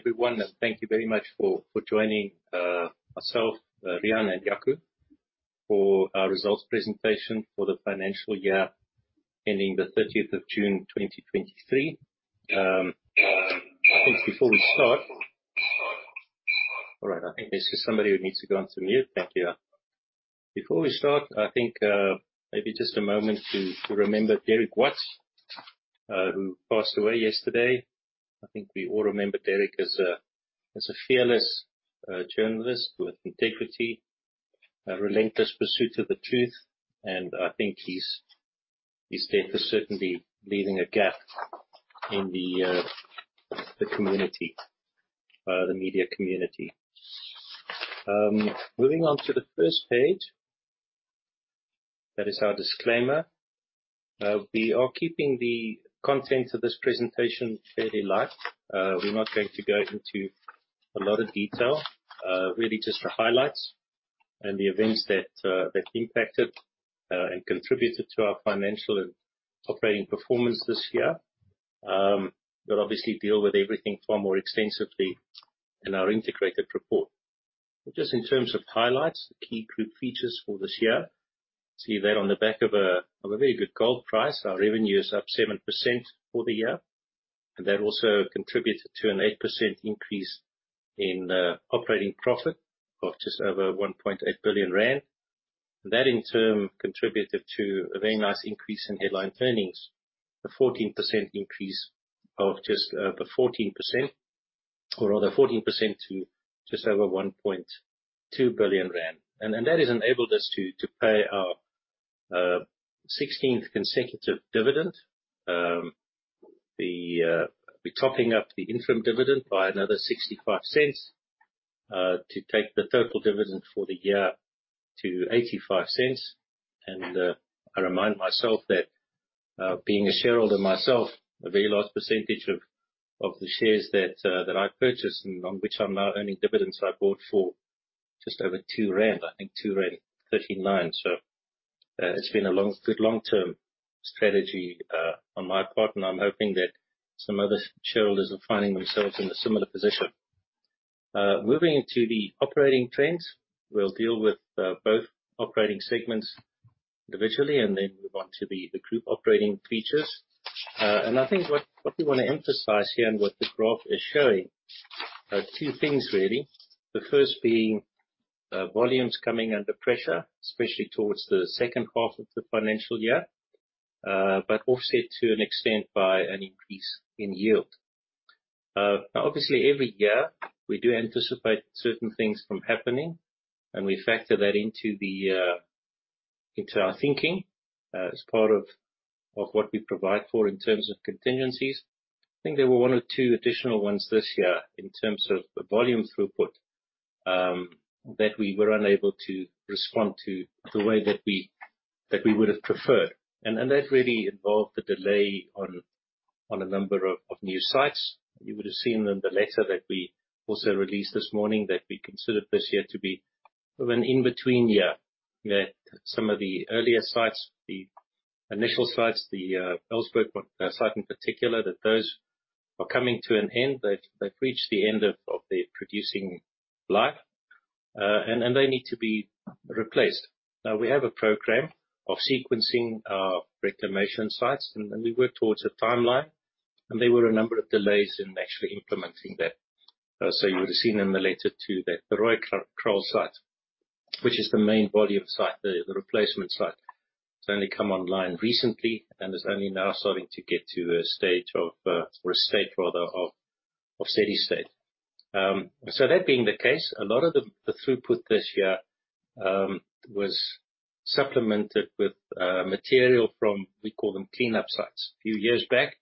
Everyone, thank you very much for, for joining, myself, Riaan Davel, and Jaco Schoeman, for our results presentation for the financial year ending the 30th of June, 2023. I think before we start... All right, I think there's just somebody who needs to go on to mute. Thank you. Before we start, I think, maybe just a moment to, to remember Derek Watts, who passed away yesterday. I think we all remember Derek as a, as a fearless, journalist with integrity, a relentless pursuit of the truth, and I think his, his death is certainly leaving a gap in the, the community, the media community. Moving on to the first page, that is our disclaimer. We are keeping the content of this presentation fairly light. We're not going to go into a lot of detail, really just the highlights and the events that impacted and contributed to our financial and operating performance this year. We'll obviously deal with everything far more extensively in our integrated report. Just in terms of highlights, the key group features for this year, see that on the back of a very good gold price, our revenue is up 7% for the year, and that also contributed to an 8% increase in operating profit of just over 1.8 billion rand. That, in turn, contributed to a very nice increase in headline earnings, a 14% increase of just 14%, or rather 14% to just over 1.2 billion rand. That has enabled us to pay our 16th consecutive dividend. The, we're topping up the interim dividend by another 0.65 to take the total dividend for the year to 0.85. I remind myself that, being a shareholder myself, a very large percentage of, of the shares that, that I've purchased and on which I'm now earning dividends, I bought for just over 2 rand, I think 2.139 rand. It's been a long, good long-term strategy on my part, and I'm hoping that some other shareholders are finding themselves in a similar position. Moving into the operating trends, we'll deal with both operating segments individually and then move on to the, the group operating features. I think what, what we wanna emphasize here and what this graph is showing are two things really. The first being, volumes coming under pressure, especially towards the second half of the financial year, but offset to an extent by an increase in yield. Now, obviously, every year, we do anticipate certain things from happening, and we factor that into the, into our thinking, as part of, of what we provide for in terms of contingencies. I think there were one or two additional ones this year in terms of the volume throughput, that we were unable to respond to the way that we, that we would have preferred. That really involved a delay on, on a number of, of new sites. You would have seen in the letter that we also released this morning that we considered this year to be of an in-between year. That some of the earlier sites, the initial sites, the Elsburg site in particular, that those are coming to an end. They've, they've reached the end of, of their producing life, and, and they need to be replaced. We have a program of sequencing our reclamation sites, and then we work towards a timeline, and there were a number of delays in actually implementing that. You would have seen in the letter, too, that the Crown Mines site, which is the main volume site, the, the replacement site, it's only come online recently and is only now starting to get to a stage of, or a state, rather, of, of steady state. That being the case, a lot of the, the throughput this year was supplemented with material from, we call them cleanup sites. A few years back,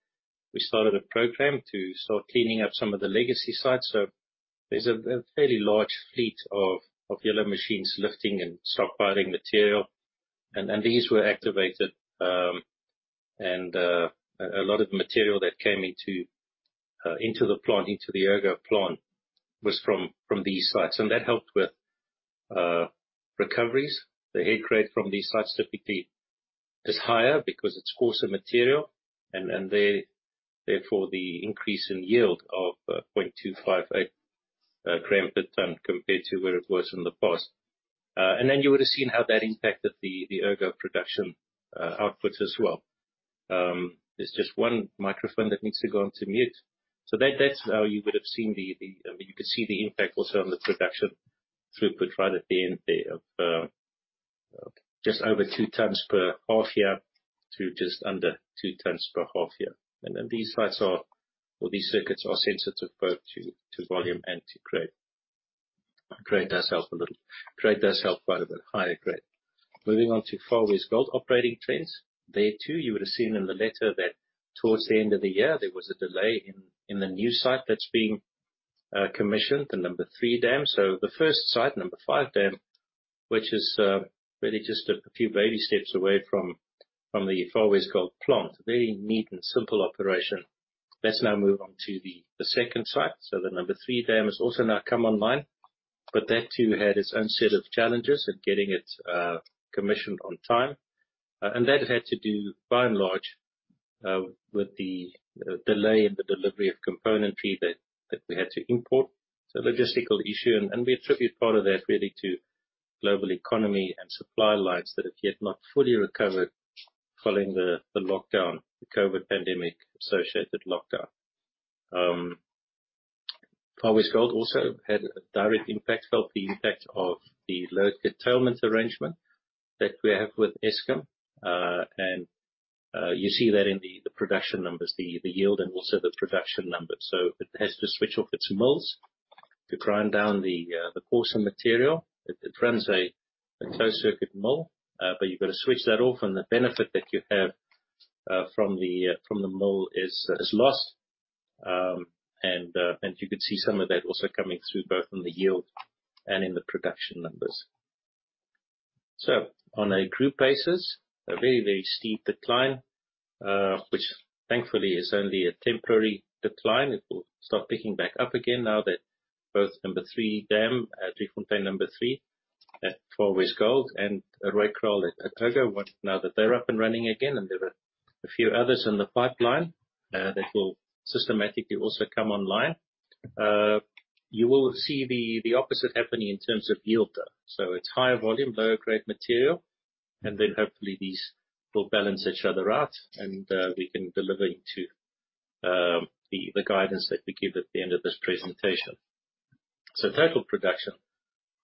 we started a program to start cleaning up some of the legacy sites. There's a fairly large fleet of yellow machines lifting and stockpiling material, and these were activated. A lot of the material that came into the plant, into the Ergo plant, was from these sites, and that helped with recoveries. The head grade from these sites typically is higher because it's coarser material. Therefore, the increase in yield of 0.258 gram per ton compared to where it was in the past. Then you would have seen how that impacted the Ergo production output as well. There's just 1 microphone that needs to go onto mute. That's how you would have seen. I mean, you could see the impact also on the production throughput right at the end there of, just over two tons per half year to just under two tons per half year. Then these sites are, or these circuits are sensitive both to, to volume and to grade. Grade does help a little. Grade does help quite a bit, higher grade. Moving on to Far West Gold operating trends. There, too, you would have seen in the letter that towards the end of the year, there was a delay in, in the new site that's being, commissioned, the number three dam. The first site, number five dam, which is, really just a few baby steps away from, from the Far West Gold plant. Very neat and simple operation. Let's now move on to the, the second site. The number three dam has also now come online. That too had its own set of challenges of getting it commissioned on time. And that had to do by and large with the delay in the delivery of componentry that, that we had to import. Logistical issue, and we attribute part of that really to global economy and supply lines that have yet not fully recovered following the lockdown, the COVID pandemic-associated lockdown. Far West Gold also had a direct impact, felt the impact of the load curtailment arrangement that we have with Eskom. And you see that in the production numbers, the yield and also the production numbers. It has to switch off its mills to grind down the coarser material. It, it runs a, a closed circuit mill, but you've got to switch that off, and the benefit that you have, from the, from the mill is, is lost. And, and you could see some of that also coming through, both in the yield and in the production numbers. On a group basis, a very, very steep decline, which thankfully is only a temporary decline. It will start picking back up again now that both number three dam, Driefontein 3, at Far West Gold and Rooikraal at Ergo, now that they're up and running again, and there are a few others in the pipeline, that will systematically also come online. You will see the, the opposite happening in terms of yield, though. It's higher volume, lower grade material, and then hopefully these will balance each other out, and we can deliver into the guidance that we give at the end of this presentation. Total production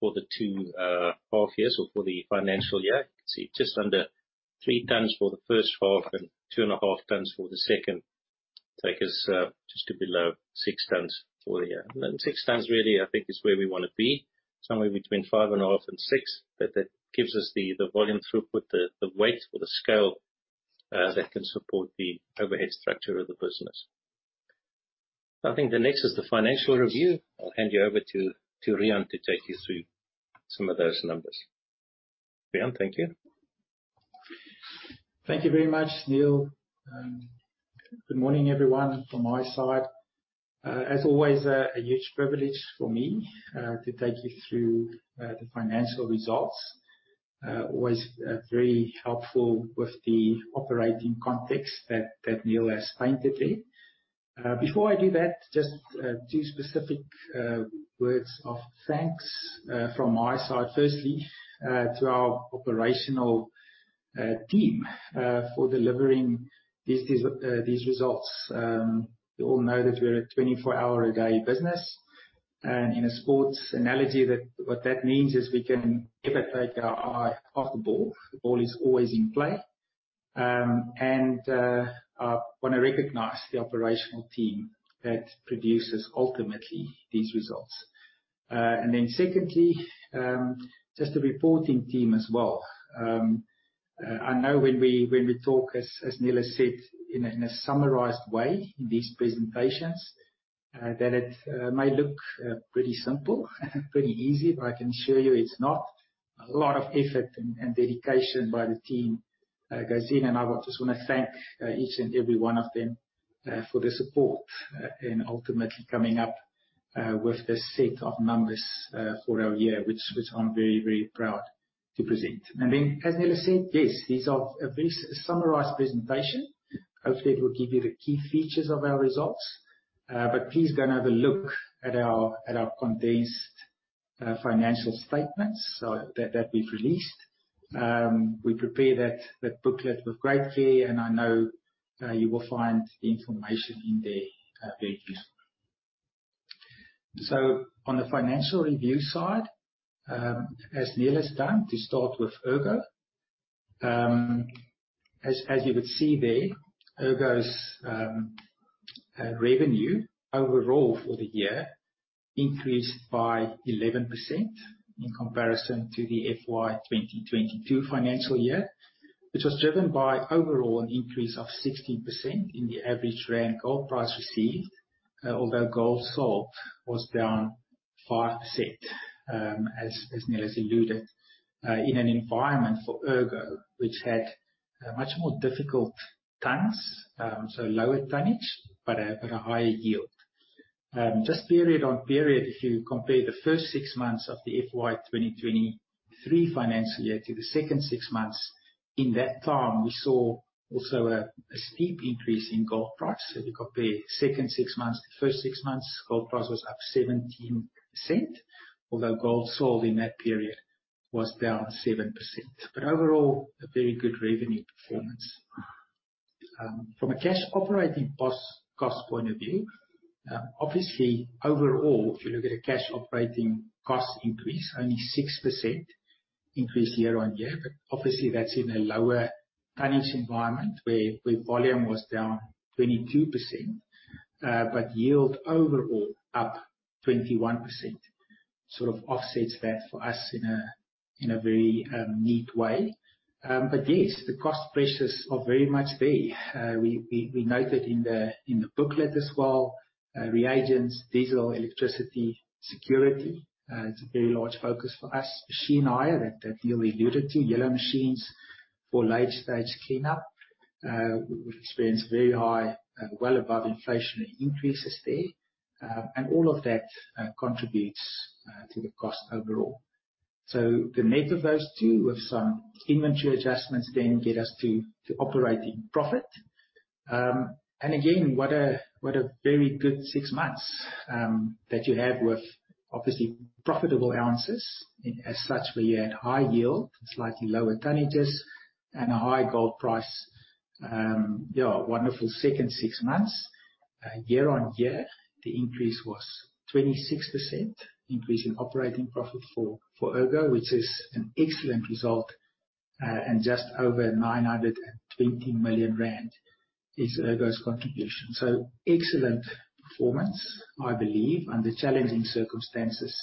for the two half years or for the financial year, you can see just under three tonnes for the first half and 2.5 tonnes for the second, take us just to below six tonnes for the year. six tonnes really, I think, is where we wanna be, somewhere between 5.5 and six. That gives us the volume throughput, the weight or the scale that can support the overhead structure of the business. I think the next is the financial review. I'll hand you over to Riaan, to take you through some of those numbers. Riaan, thank you. Thank you very much, Niël. Good morning everyone from my side. As always, a huge privilege for me to take you through the financial results. Always very helpful with the operating context that, that Niël has painted there. Before I do that, just two specific words of thanks from my side. Firstly, to our operational team for delivering these, these results. You all know that we're a 24 hour a day business, and in a sports analogy, that, what that means is we can never take our eye off the ball. The ball is always in play. I wanna recognize the operational team that produces ultimately these results. Then secondly, just the reporting team as well. I know when we, when we talk, as, as Niël has said, in a, in a summarized way in these presentations, that it may look pretty simple, pretty easy, but I can assure you it's not. A lot of effort and dedication by the team goes in, and I just wanna thank each and every one of them for their support and ultimately coming up with this set of numbers for our year, which I'm very, very proud to present. As Niël said, yes, these are a very summarized presentation. Hopefully, it will give you the key features of our results. Please go and have a look at our condensed financial statements, so that we've released. We prepared that, that booklet with great care, and I know you will find the information in there very useful. On the financial review side, as Niël has done, to start with Ergo. As, as you would see there, Ergo's revenue overall for the year increased by 11% in comparison to the FY 2022 financial year, which was driven by overall an increase of 16% in the average Rand gold price received. Although gold sold was down 5%, as, as Niël has alluded, in an environment for Ergo, which had a much more difficult tonnes, so lower tonnage, but a, but a higher yield. Just period on period, if you compare the first six months of the FY 2023 financial year to the second six months, in that time, we saw also a, a steep increase in gold price. If you compare the second six months to the first six months, gold price was up 17%, although gold sold in that period was down 7%. Overall, a very good revenue performance. From a cash operating cost, cost point of view, obviously, overall, if you look at a cash operating cost increase, only 6% increase year-on-year, but obviously that's in a lower tonnage environment where, where volume was down 22%, but yield overall up 21%, sort of offsets that for us in a, in a very, neat way. Yes, the cost pressures are very much there. We, we, we noted in the, in the booklet as well, reagents, diesel, electricity, security, it's a very large focus for us. Machine hire, that, that Niël alluded to, yellow machines for late stage cleanup, we've experienced very high, well above inflation increases there. All of that contributes to the cost overall. The net of those two, with some inventory adjustments, then get us to, to operating profit. Again, what a, what a very good six months that you had with obviously profitable ounces. As such, where you had high yield, slightly lower tonnages, and a high gold price. Yeah, a wonderful second six months. Year-on-year, the increase was 26%, increase in operating profit for, for Ergo, which is an excellent result. Just over 920 million rand is Ergo's contribution. Excellent performance, I believe, under challenging circumstances,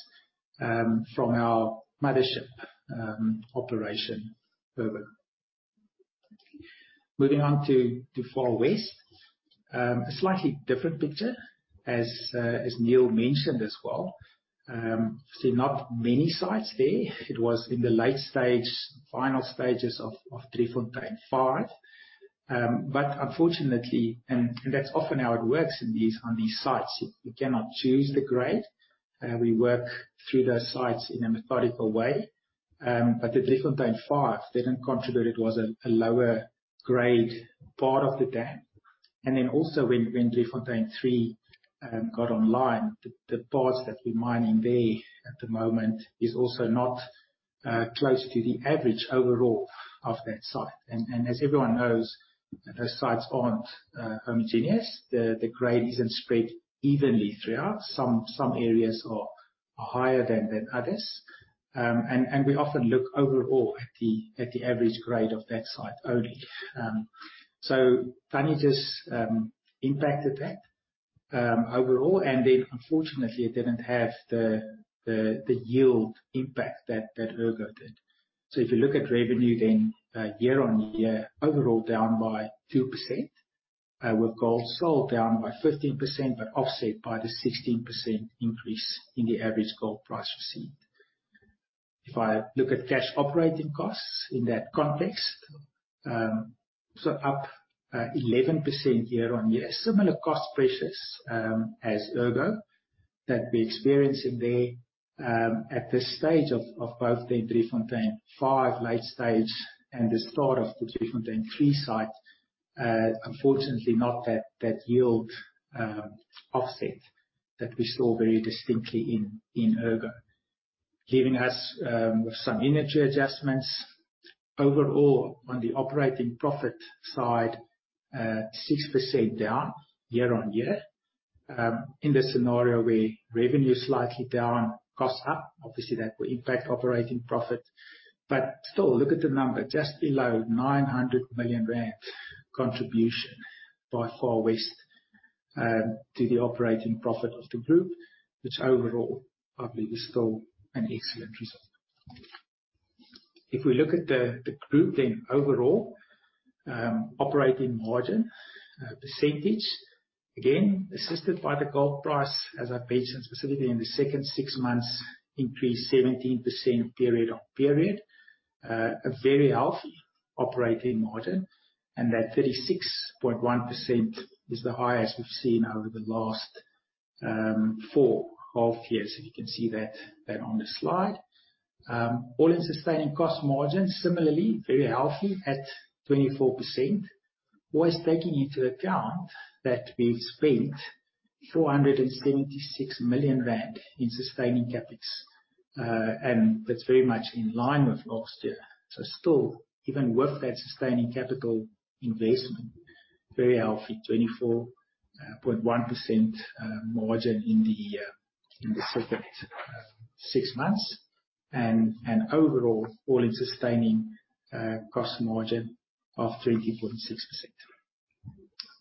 from our mothership, operation, Ergo. Moving on to Far West. A slightly different picture, as Niël mentioned as well. Not many sites there. It was in the late stage, final stages of Driefontein 5. Unfortunately, and that's often how it works on these sites, you cannot choose the grade. We work through those sites in a methodical way. The Driefontein 5 didn't contribute. It was a lower grade part of the dam. Also when Driefontein 3 got online, the parts that we're mining there at the moment is also not close to the average overall of that site. As everyone knows, those sites aren't homogeneous. The grade isn't spread evenly throughout. Some areas are higher than others. We often look overall at the average grade of that site only. So tonnages impacted that overall, unfortunately, it didn't have the yield impact that Ergo did. If you look at revenue then, year-on-year, overall down by 2%, with gold sold down by 15%, but offset by the 16% increase in the average gold price received. If I look at cash operating costs in that context, up 11% year-on-year. Similar cost pressures as Ergo, that we're experiencing there at this stage of both the Driefontein 5 late stage and the start of the Driefontein 3 site. Unfortunately not that, that yield, offset that we saw very distinctly in, in Ergo. Leaving us with some energy adjustments. Overall, on the operating profit side, 6% down year-on-year. In this scenario where revenue is slightly down, costs up, obviously that will impact operating profit. Still, look at the number, just below 900 million rand contribution by Far West, to the operating profit of the group, which overall, I believe is still an excellent result. If we look at the, the group, then overall, operating margin percentage, again, assisted by the gold price, as I've mentioned, specifically in the second 6 months, increased 17% period-on-period. A very healthy operating margin, and that 36.1% is the highest we've seen over the last 4 half years. If you can see that, that on the slide. All-in Sustaining Cost margins, similarly, very healthy at 24%. Always taking into account that we've spent 476 million rand in sustaining CapEx, and that's very much in line with last year. still, even with that sustaining capital investment, very healthy, 24.1% margin in the second six months, and overall, All-in Sustaining Cost margin of 20.6%.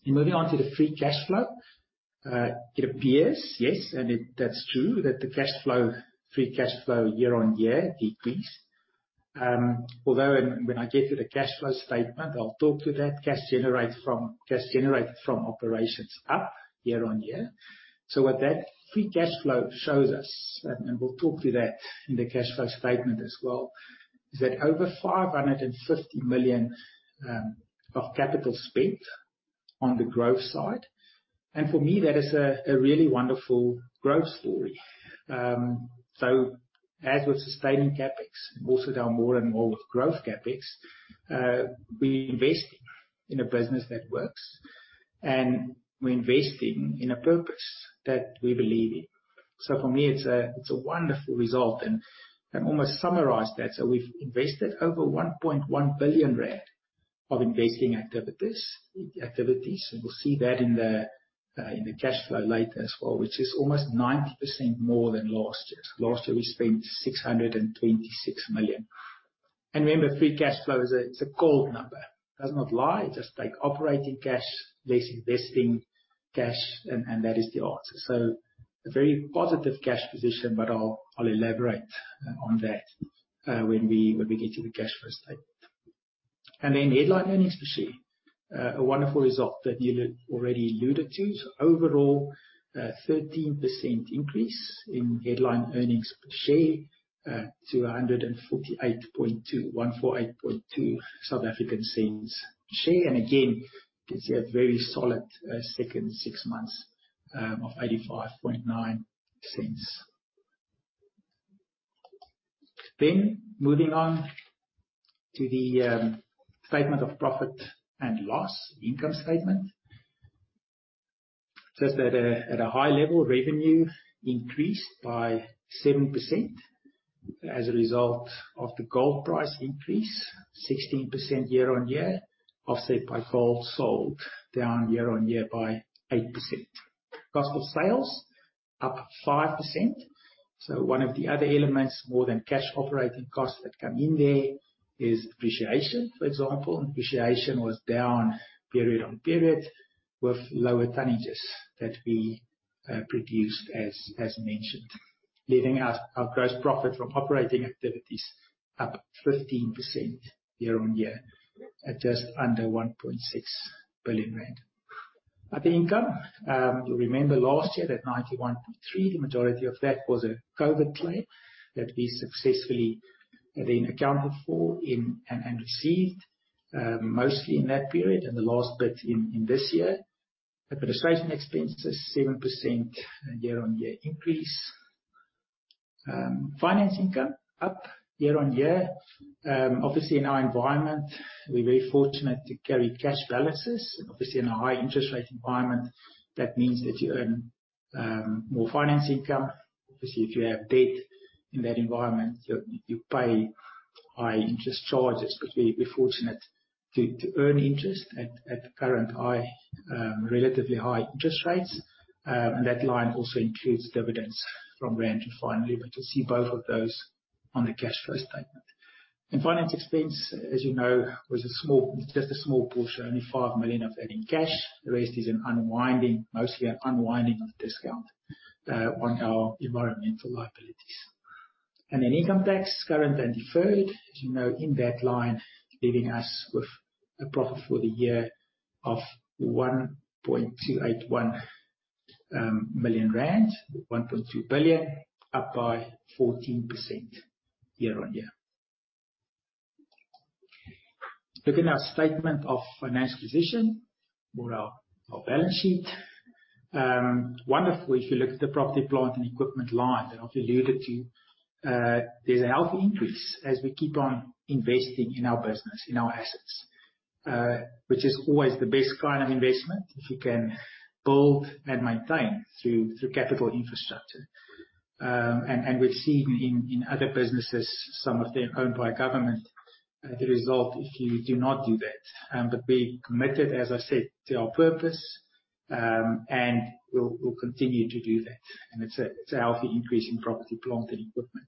moving on to the Free Cash Flow. it appears, yes, that's true, that the cash flow, Free Cash Flow year-on-year decreased. although when I get to the cash flow statement, I'll talk to that. Cash generated from operations up year-on-year. What that free cash flow shows us, and we'll talk to that in the cash flow statement as well, is that over 550 million of capital spent on the growth side, and for me, that is a really wonderful growth story. As with sustaining CapEx, also now more and more with growth CapEx, we invest in a business that works, and we're investing in a purpose that we believe in. For me, it's a wonderful result, and I'll almost summarize that. We've invested over 1.1 billion rand of investing activities, activities, and we'll see that in the cash flow later as well, which is almost 90% more than last year's. Last year, we spent 626 million. Remember, free cash flow is a gold number. It does not lie. Just take operating cash, less investing cash, and that is the answer. A very positive cash position, but I'll elaborate on that when we get to the cash flow statement. Headline Earnings Per Share. A wonderful result that you already alluded to. Overall, a 13% increase in Headline Earnings Per Share to 1.482, ZAR 1.482 share. Again, you can see a very solid second six months of 0.859. Moving on to the statement of profit and loss, income statement. Just at a high level, revenue increased by 7% as a result of the gold price increase, 16% year-on-year, offset by gold sold down year-on-year by 8%. Cost of sales up 5%. One of the other elements, more than cash operating costs that come in there is depreciation, for example. Depreciation was down period on period, with lower tonnages that we produced, as mentioned, leaving us our gross profit from operating activities up 15% year-on-year, at just under 1.6 billion rand. Other income, you'll remember last year that 91.3, the majority of that was a COVID claim that we successfully then accounted for in, and received, mostly in that period and the last bit in, this year. Administration expenses, 7% year-on-year increase. Finance income up year-on-year. Obviously, in our environment, we're very fortunate to carry cash balances, and obviously in a high interest rate environment, that means that you earn more finance income. Obviously, if you have debt in that environment, you, you pay high interest charges. We're fortunate to, to earn interest at, at the current high, relatively high interest rates. That line also includes dividends from Rand, and finally, we can see both of those on the cash flow statement. Finance expense, as you know, was a small portion, only 5 million of that in cash. The rest is an unwinding, mostly an unwinding of discount, on our environmental liabilities. Then income tax, current and deferred, as you know, in that line, leaving us with a profit for the year of 1.281 million rand, 1.2 billion, up by 14% year-on-year. Looking at our statement of financial position or our, our balance sheet, wonderful, if you look at the property, plant, and equipment line, I've alluded to, there's a healthy increase as we keep on investing in our business, in our assets, which is always the best kind of investment if you can build and maintain through, through capital infrastructure. We've seen in, in other businesses, some of them owned by government, the result if you do not do that. We're committed, as I said, to our purpose, we'll, we'll continue to do that. It's a, it's a healthy increase in property, plant, and equipment.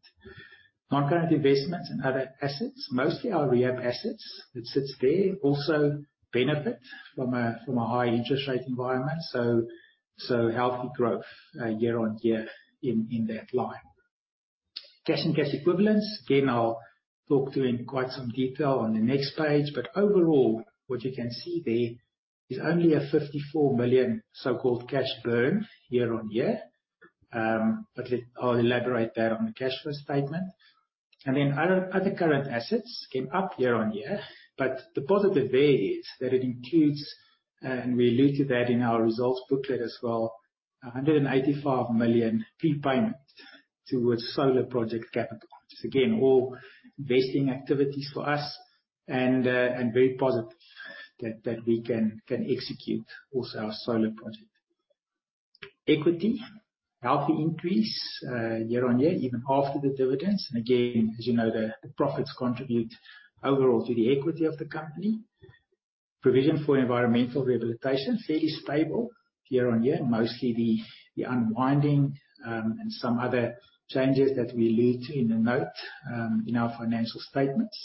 Non-current investments and other assets, mostly our rehab assets, it sits there, also benefit from a, from a high interest rate environment, so, so healthy growth, year-on-year in, in that line. Cash and cash equivalents, again, I'll talk to in quite some detail on the next page. Overall, what you can see there is only a 54 million so-called cash burn year-on-year. I'll elaborate that on the cash flow statement. Other, other current assets came up year-on-year, but the positive there is that it includes, and we allude to that in our results booklet as well, a 185 million pre-payment towards solar project capital, which is, again, all investing activities for us, and very positive that, that we can, can execute also our solar project. Equity, healthy increase, year-on-year, even after the dividends. Again, as you know, the, the profits contribute overall to the equity of the company. Provision for environmental rehabilitation, fairly stable year-on-year, mostly the, the unwinding, and some other changes that we allude to in the note, in our financial statements.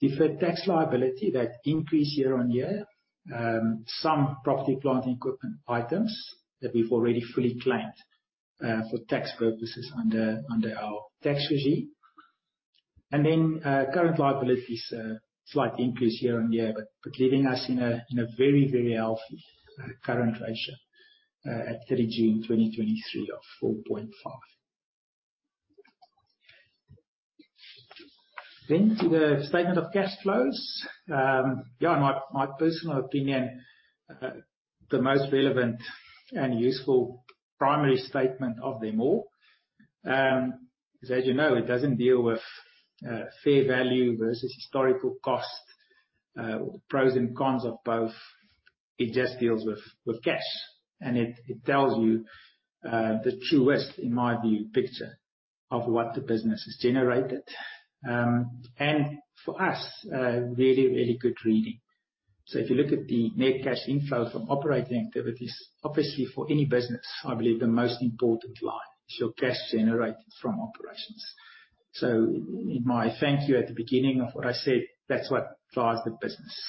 Deferred tax liability, that increased year-on-year. Some property, plant, and equipment items that we've already fully claimed for tax purposes under, under our tax regime. Current liabilities, a slight increase year-on-year, but, but leaving us in a, in a very, very healthy current ratio at 30 June 2023 of 4.5. To the statement of cash flows. Yeah, in my, my personal opinion, the most relevant and useful primary statement of them all, is that, you know, it doesn't deal with fair value versus historical cost, or the pros and cons of both. It just deals with, with cash, and it, it tells you, the truest, in my view, picture of what the business has generated. For us, a really, really good reading. If you look at the net cash inflow from operating activities, obviously for any business, I believe the most important line is your cash generated from operations. In my thank you at the beginning of what I said, that's what drives the business.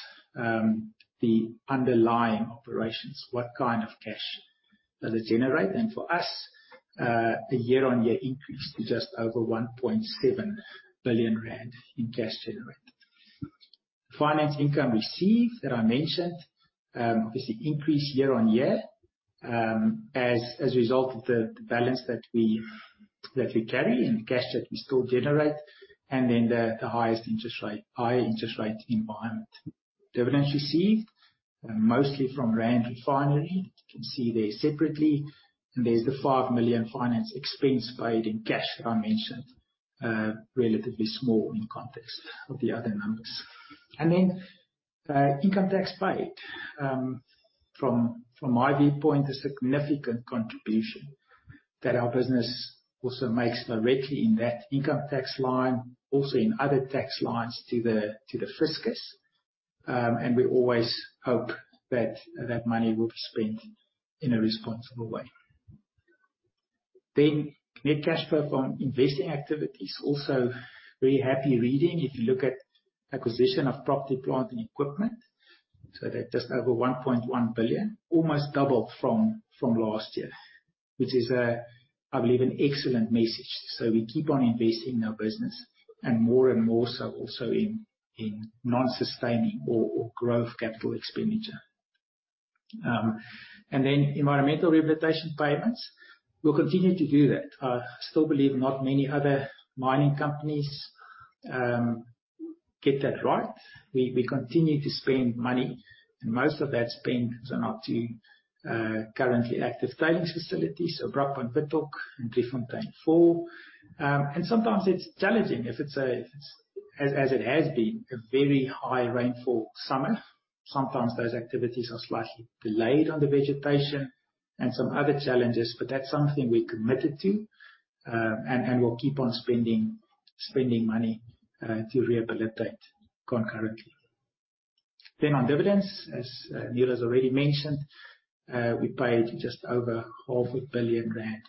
The underlying operations, what kind of cash does it generate? For us, a year-on-year increase to just over Rand 1.7 billion in cash generated. Finance income received that I mentioned, obviously increased year-on-year, as, as a result of the, the balance that we, that we carry and the cash that we still generate, then the, the highest interest rate, high interest rate environment... dividends received, mostly from Rand Refinery. You can see there separately, and there's the 5 million finance expense paid in cash that I mentioned, relatively small in context of the other numbers. Income tax paid. From, from my viewpoint, is a significant contribution that our business also makes directly in that income tax line, also in other tax lines to the, to the fiscus. We always hope that, that money will be spent in a responsible way. Net cash flow from investing activities, also very happy reading, if you look at acquisition of property, plant, and equipment. That just over 1.1 billion, almost doubled from, from last year, which is, I believe, an excellent message. We keep on investing in our business, and more and more so also in, in non-sustaining or, or growth capital expenditure. Environmental rehabilitation payments, we'll continue to do that. I still believe not many other mining companies get that right. We, we continue to spend money, and most of that spend is on our two currently active tailings facilities, Brakpan/Withok and Driefontein 4. Sometimes it's challenging if it's a, as, as it has been, a very high rainfall summer. Sometimes those activities are slightly delayed on the vegetation and some other challenges, that's something we're committed to. And we'll keep on spending, spending money to rehabilitate concurrently. On dividends, as Niël has already mentioned, we paid just over 500 million rand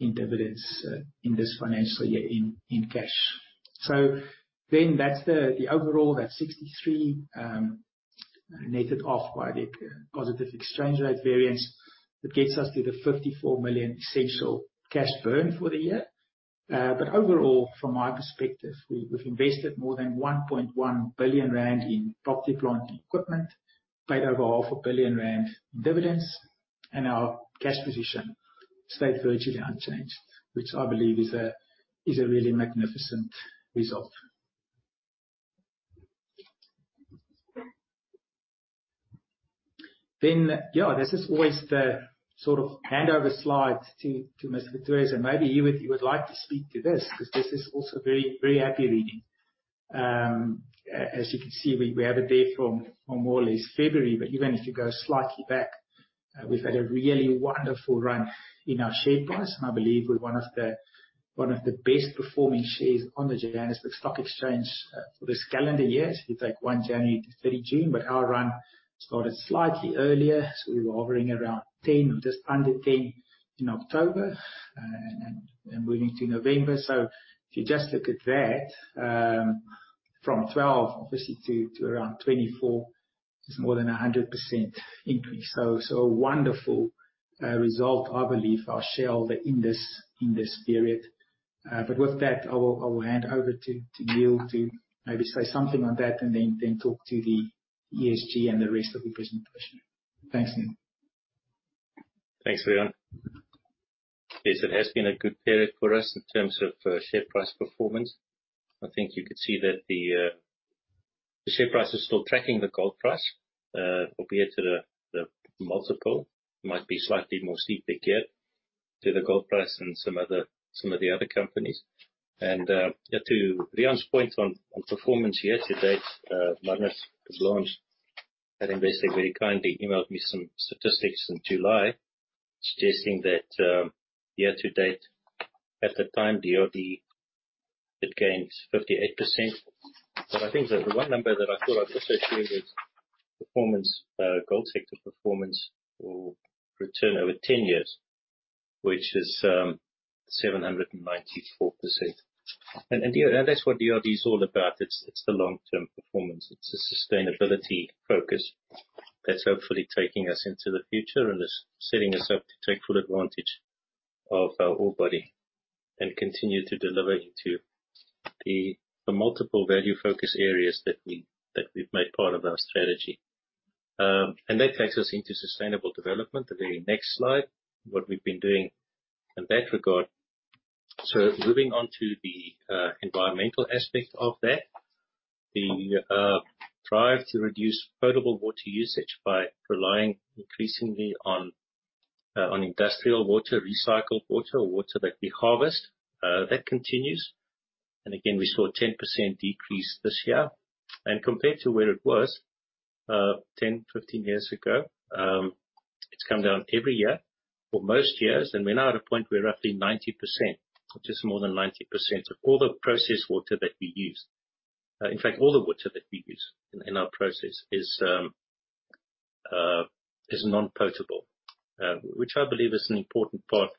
in dividends in this financial year in, in cash. That's the, the overall, that 63 netted off by the positive exchange rate vaRiaance. That gets us to the 54 million essential cash burn for the year. Overall, from my perspective, we've invested more than 1.1 billion rand in property, plant, and equipment, paid over 500 million rand in dividends, and our cash position stayed virtually unchanged, which I believe is a really magnificent result. Yeah, this is always the sort of handover slide to Niël Pretorius, so maybe he would like to speak to this, because this is also very, very happy reading. As you can see, we have it there from more or less February, but even if you go slightly back, we've had a really wonderful run in our share price. I believe we're one of the best performing shares on the Johannesburg Stock Exchange for this calendar year. If you take 1 January to 30 June, our run started slightly earlier, so we were hovering around 10, or just under 10 in October, and, and moving to November. If you just look at that, from 12, obviously, to, to around 24, it's more than a 100% increase. So a wonderful result, I believe, our shareholder in this, in this period. With that, I will, I will hand over to, to Niël to maybe say something on that, and then, then talk to the ESG and the rest of the presentation. Thanks, Niël. Thanks, Riaan. Yes, it has been a good period for us in terms of share price performance. I think you could see that the share price is still tracking the gold price, albeit the multiple might be slightly more steep again to the gold price and some of the other companies. Yeah, to Riaan's point on performance, year to date, Markus Blattner, and he basically very kindly emailed me some statistics in July suggesting that year to date, at the time, DRD had gained 58%. I think the one number that I thought I'd also share with performance, gold sector performance or return over 10 years, which is 794%. Yeah, and that's what DRD is all about. It's, it's the long-term performance. It's the sustainability focus that's hopefully taking us into the future and is setting us up to take full advantage of our ore body, and continue to deliver into the, the multiple value focus areas that we, that we've made part of our strategy. That takes us into sustainable development, the very next slide, what we've been doing in that regard. Moving on to the environmental aspect of that, the drive to reduce potable water usage by relying increasingly on industrial water, recycled water, or water that we harvest, that continues. Again, we saw a 10% decrease this year. Compared to where it was, 10, 15 years ago, it's come down every year for most years, and we're now at a point where roughly 90%, just more than 90% of all the processed water that we use. In fact, all the water that we use in our process is non-potable, which I believe is an important part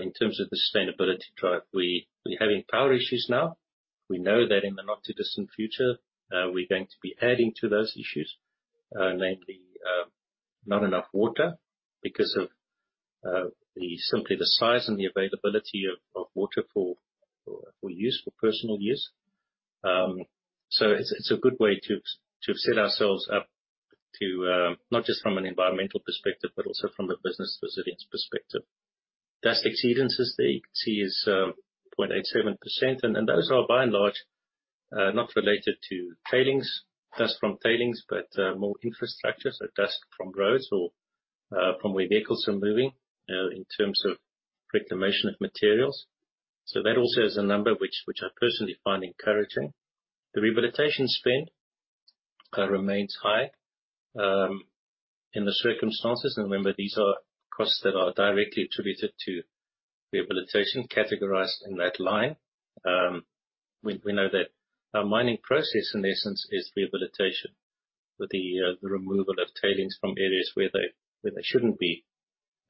in terms of the sustainability drive. We, we're having power issues now. We know that in the not-too-distant future, we're going to be adding to those issues, namely, not enough water because of the, simply the size and the availability of water for, for use, for personal use. So it's, it's a good way to, to set ourselves up to not just from an environmental perspective, but also from a business resilience perspective. Dust exceedances there, you can see, is 0.87%, and those are by and large not related to tailings, dust from tailings, but more infrastructure. Dust from roads or from where vehicles are moving in terms of reclamation of materials. That also is a number which, which I personally find encouraging. The rehabilitation spend remains high in the circumstances, and remember, these are costs that are directly attributed to rehabilitation categorized in that line. We, we know that our mining process, in essence, is rehabilitation, with the removal of tailings from areas where they, where they shouldn't be,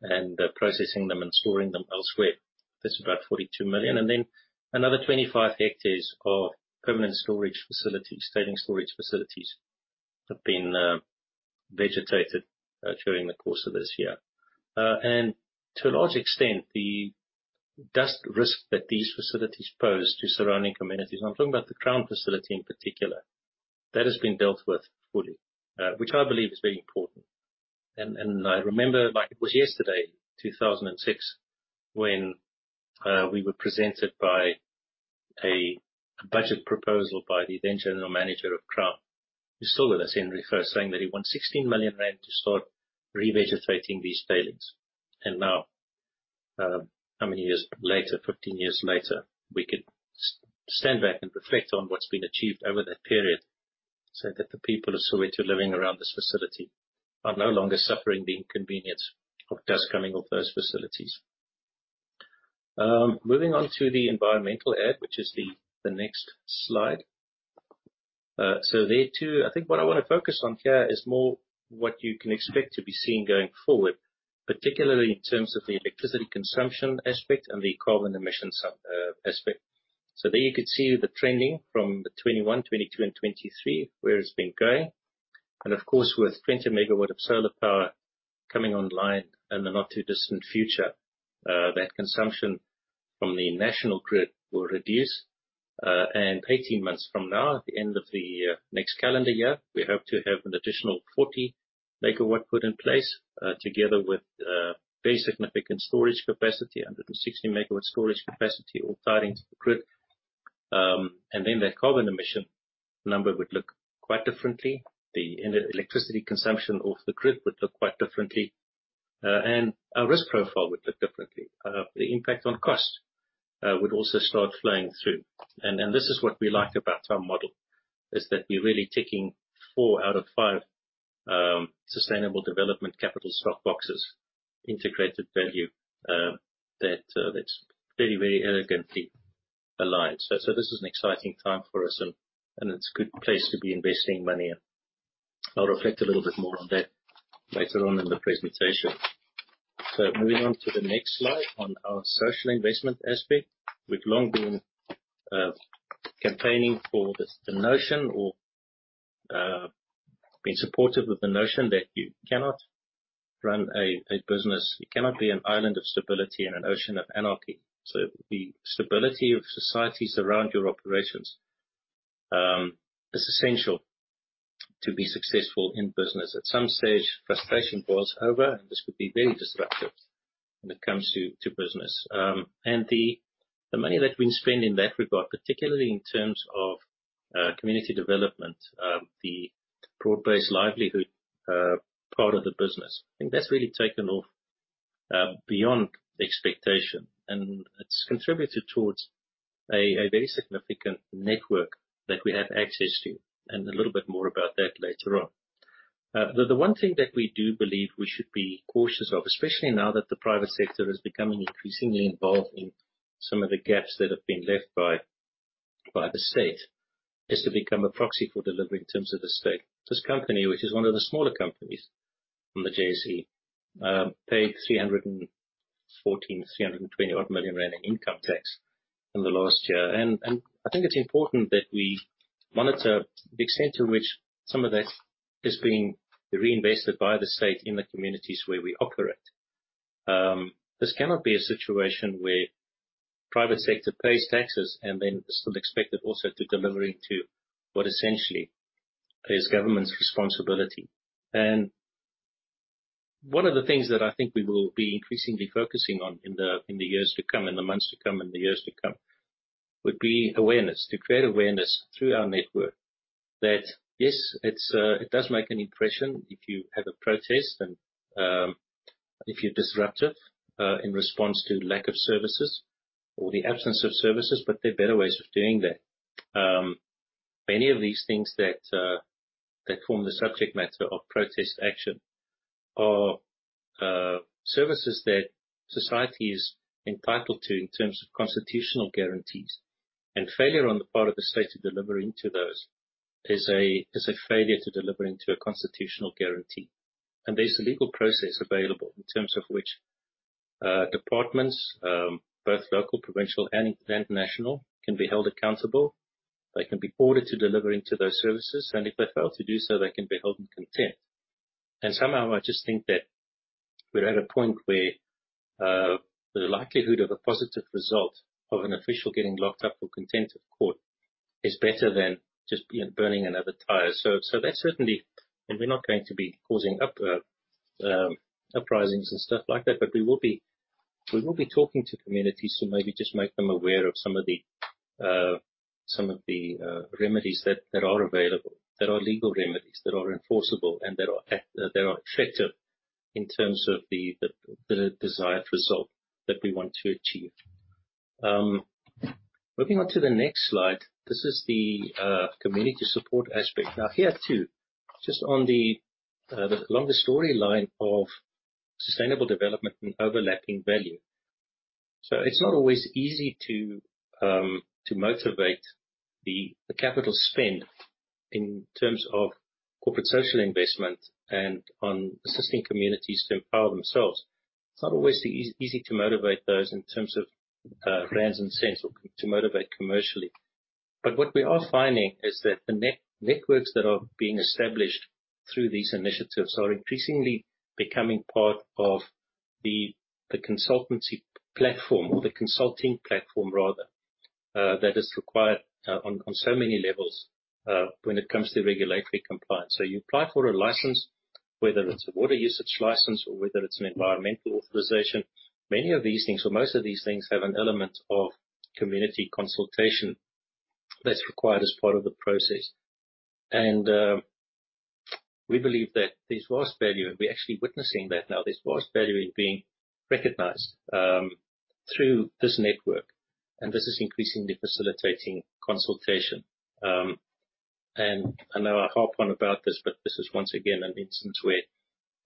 and processing them and storing them elsewhere. That's about 42 million. Another 25 hectares of permanent storage facilities, tailing storage facilities, have been vegetated during the course of this year. To a large extent, the dust risk that these facilities pose to surrounding communities, I'm talking about the Crown facility in particular, that has been dealt with fully, which I believe is very important. I remember like it was yesterday, 2006, when we were presented by a budget proposal by the then general manager of Crown. He's still with us, Henry Gouws, saying that he wants 16 million rand to start revegetating these tailings. Now, how many years later? 15 years later, we could stand back and reflect on what's been achieved over that period, so that the people of Soweto living around this facility are no longer suffering the inconvenience of dust coming off those facilities. Moving on to the environmental add, which is the, the next slide. There, too, I think what I wanna focus on here is more what you can expect to be seeing going forward, particularly in terms of the electricity consumption aspect and the carbon emissions aspect. There you can see the trending from the 21, 22 and 23, where it's been going. Of course, with 20 MW of solar power coming online in the not-too-distant future, that consumption from the national grid will reduce. 18 months from now, at the end of the next calendar year, we hope to have an additional 40 MW put in place, together with very significant storage capacity, 160 megawatt storage capacity all tied into the grid. That carbon emission number would look quite differently. The electricity consumption off the grid would look quite differently. Our risk profile would look differently. The impact on cost would also start flowing through. This is what we like about our model, is that we're really ticking four out of five sustainable development capital stock boxes, integrated value that's very, very elegantly aligned. This is an exciting time for us, and it's a good place to be investing money. I'll reflect a little bit more on that later on in the presentation. Moving on to the next slide, on our social investment aspect. We've long been campaigning for the notion or been supportive of the notion that you cannot run a business. You cannot be an island of stability in an ocean of anarchy. The stability of societies around your operations is essential to be successful in business. At some stage, frustration boils over, and this could be very disruptive when it comes to, to business. The, the money that we spend in that regard, particularly in terms of community development, the broad-based livelihood part of the business, I think that's really taken off beyond expectation, and it's contributed towards a, a very significant network that we have access to, and a little bit more about that later on. The, the one thing that we do believe we should be cautious of, especially now that the private sector is becoming increasingly involved in some of the gaps that have been left by, by the state, is to become a proxy for delivery in terms of the state. This company, which is one of the smaller companies on the JSE, paid 314 million rand, ZAR 320 million odd in income tax in the last year. I think it's important that we monitor the extent to which some of that is being reinvested by the state in the communities where we operate. This cannot be a situation where private sector pays taxes and then is still expected also to delivering into what essentially is government's responsibility. One of the things that I think we will be increasingly focusing on in the, in the years to come, in the months to come, and the years to come, would be awareness. To create awareness through our network, that, yes, it's, it does make an impression if you have a protest and, if you disrupt it, in response to lack of services or the absence of services, but there are better ways of doing that. Many of these things that, that form the subject matter of protest action are, services that society is entitled to in terms of constitutional guarantees, and failure on the part of the state to delivering to those is a, is a failure to delivering to a constitutional guarantee. There's a legal process available in terms of which, departments, both local, provincial, and, national, can be held accountable. They can be ordered to delivering to those services, and if they fail to do so, they can be held in contempt. Somehow, I just think that-... We're at a point where the likelihood of a positive result of an official getting locked up for contempt of court is better than just, you know, burning another tire. We're not going to be causing up uprisings and stuff like that, but we will be, we will be talking to communities to maybe just make them aware of some of the some of the remedies that, that are available, that are legal remedies, that are enforceable, and that are effective in terms of the the the desired result that we want to achieve. Moving on to the next slide, this is the community support aspect. Now, here, too, just on the longer storyline of sustainable development and overlapping value. It's not always easy to motivate the capital spend in terms of corporate social investment and on assisting communities to empower themselves. It's not always easy to motivate those in terms of Rand and cents or to motivate commercially. What we are finding is that the networks that are being established through these initiatives are increasingly becoming part of the consultancy platform or the consulting platform, rather, that is required on so many levels when it comes to regulatory compliance. You apply for a license, whether it's a water use licence or whether it's an environmental authorisation. Many of these things, or most of these things, have an element of community consultation that's required as part of the process. We believe that there's vast value, and we're actually witnessing that now. There's vast value in being recognized through this network, and this is increasingly facilitating consultation. I know I harp on about this, but this is once again an instance where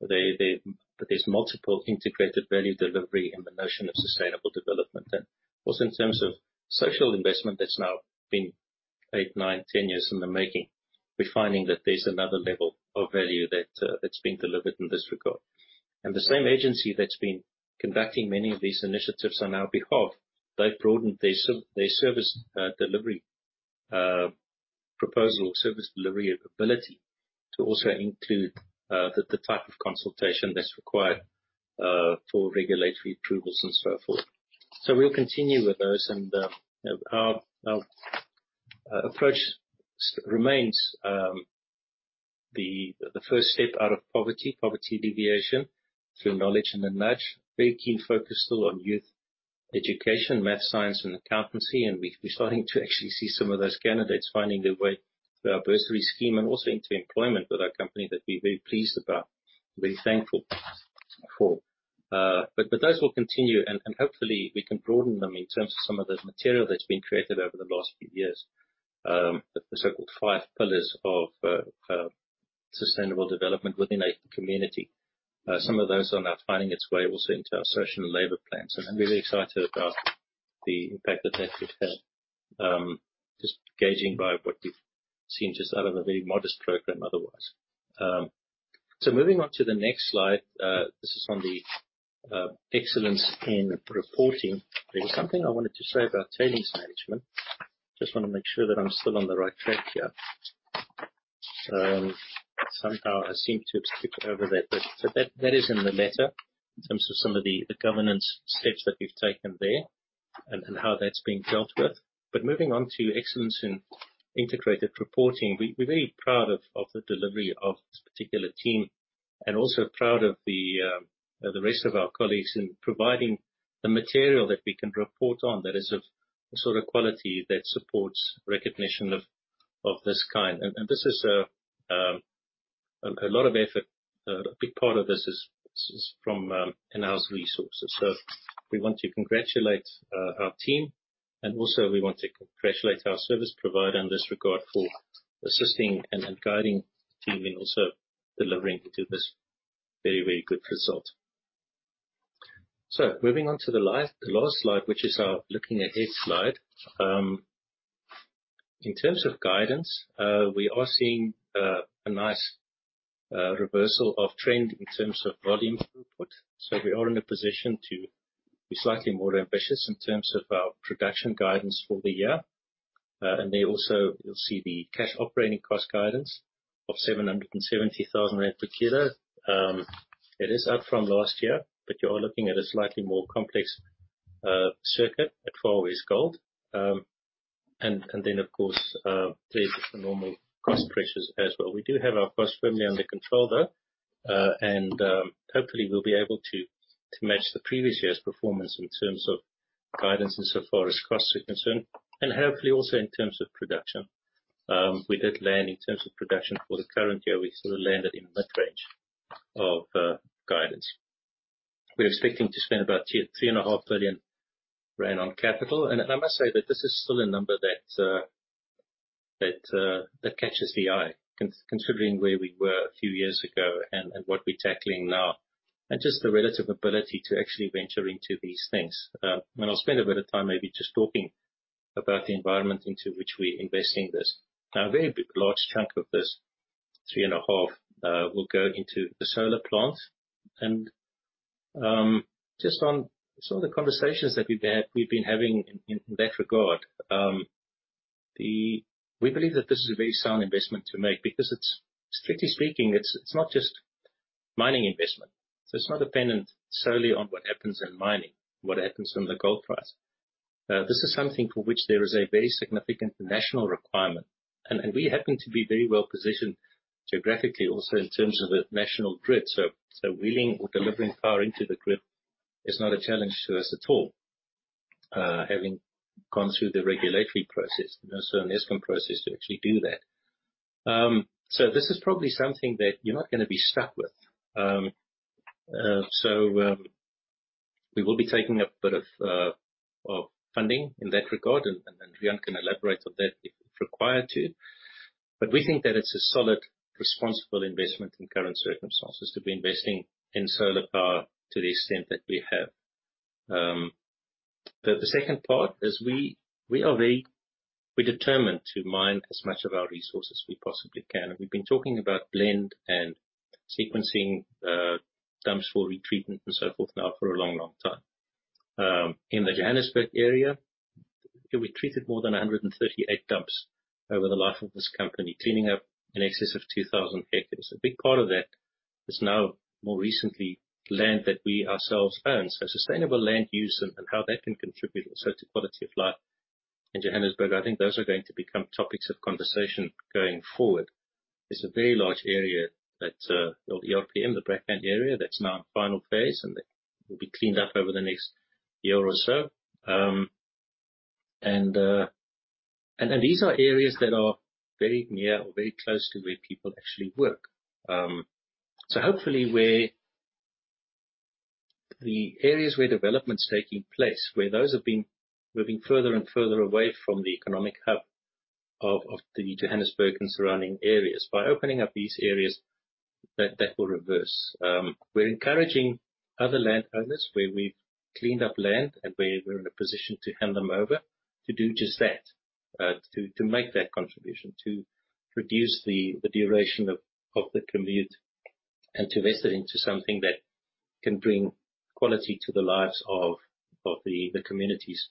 there, there, there's multiple integrated value delivery in the notion of sustainable development. Also in terms of social investment, that's now been eight, nine, 10 years in the making. We're finding that there's another level of value that that's being delivered in this regard. The same agency that's been conducting many of these initiatives on our behalf, they've broadened their ser- their service delivery proposal or service delivery ability, to also include the, the type of consultation that's required for regulatory approvals and so forth. We'll continue with those, and our, our approach remains the, the first step out of poverty, poverty alleviation, through knowledge and match. Very keen focus still on youth education, math, science, and accountancy, and we're, we're starting to actually see some of those candidates finding their way through our bursary scheme and also into employment with our company that we're very pleased about, very thankful for. Those will continue, and, and hopefully we can broaden them in terms of some of the material that's been created over the last few years. The so-called five pillars of sustainable development within a community. Some of those are now finding its way also into our Social and Labour Plans, and I'm really excited about the impact that that could have. Just gauging by what we've seen, just out of a very modest program otherwise. Moving on to the next slide. This is on the excellence in reporting. There is something I wanted to say about tailings management. Just wanna make sure that I'm still on the right track here. Somehow I seem to have skipped over that, but, so that, that is in the letter, in terms of some of the, the governance steps that we've taken there and, and how that's being dealt with. Moving on to excellence in integrated reporting, we, we're very proud of, of the delivery of this particular team, and also proud of the rest of our colleagues in providing the material that we can report on that is of the sort of quality that supports recognition of, of this kind. This is a lot of effort. A big part of this is from in-house resources. We want to congratulate our team, and also we want to congratulate our service provider in this regard for assisting and guiding the team in also delivering to this very, very good result. Moving on to the last, the last slide, which is our looking ahead slide. In terms of guidance, we are seeing a nice reversal of trend in terms of volume output. We are in a position to be slightly more ambitious in terms of our production guidance for the year. There also you'll see the cash operating cost guidance of 770,000 rand per kilo. It is up from last year, but you are looking at a slightly more complex circuit at Far West Gold. Then, of course, there's the normal cost pressures as well. We do have our costs firmly under control, though, and hopefully we'll be able to match the previous year's performance in terms of guidance insofar as costs are concerned, and hopefully also in terms of production. We did land in terms of production for the current year. We sort of landed in mid-range of guidance. We're expecting to spend about 3.5 billion rand on capital. I must say that this is still a number that catches the eye, considering where we were a few years ago and what we're tackling now, and just the relative ability to actually venture into these things. I'll spend a bit of time maybe just talking about the environment into which we're investing this. A very big, large chunk of this 3.5 will go into the solar plant. Just on some of the conversations that we've been having in, in that regard, we believe that this is a very sound investment to make, because it's, strictly speaking, it's, it's not just mining investment. It's not dependent solely on what happens in mining, what happens in the gold price. This is something for which there is a very significant national requirement, and, and we happen to be very well positioned geographically, also in terms of the national grid. Wheeling or delivering power into the grid is not a challenge to us at all, having gone through the regulatory process, you know, so an Eskom process to actually do that. This is probably something that you're not gonna be stuck with. We will be taking a bit of, of funding in that regard, and Riaan can elaborate on that if required to. We think that it's a solid, responsible investment in current circumstances to be investing in solar power to the extent that we have. The, the second part is we, we are very-- we're determined to mine as much of our resources we possibly can, and we've been talking about blend and sequencing, dumps for retreatment and so forth now for a long, long time. In the Johannesburg area, we treated more than 138 dumps over the life of this company, cleaning up in excess of 2,000 hectares. A big part of that is now more recently, land that we ourselves own. Sustainable land use and, and how that can contribute also to quality of life in Johannesburg, I think those are going to become topics of conversation going forward. It's a very large area that, well, the RPM, the Brakpan area, that's now in final phase, and it will be cleaned up over the next year or so. These are areas that are very near or very close to where people actually work. Hopefully where... the areas where development is taking place, where those have been moving further and further away from the economic hub of, of the Johannesburg and surrounding areas. By opening up these areas, that, that will reverse. We're encouraging other landowners, where we've cleaned up land and where we're in a position to hand them over, to do just that. To, to make that contribution, to reduce the, the duration of, of the commute, and to invest it into something that can bring quality to the lives of, of the, the communities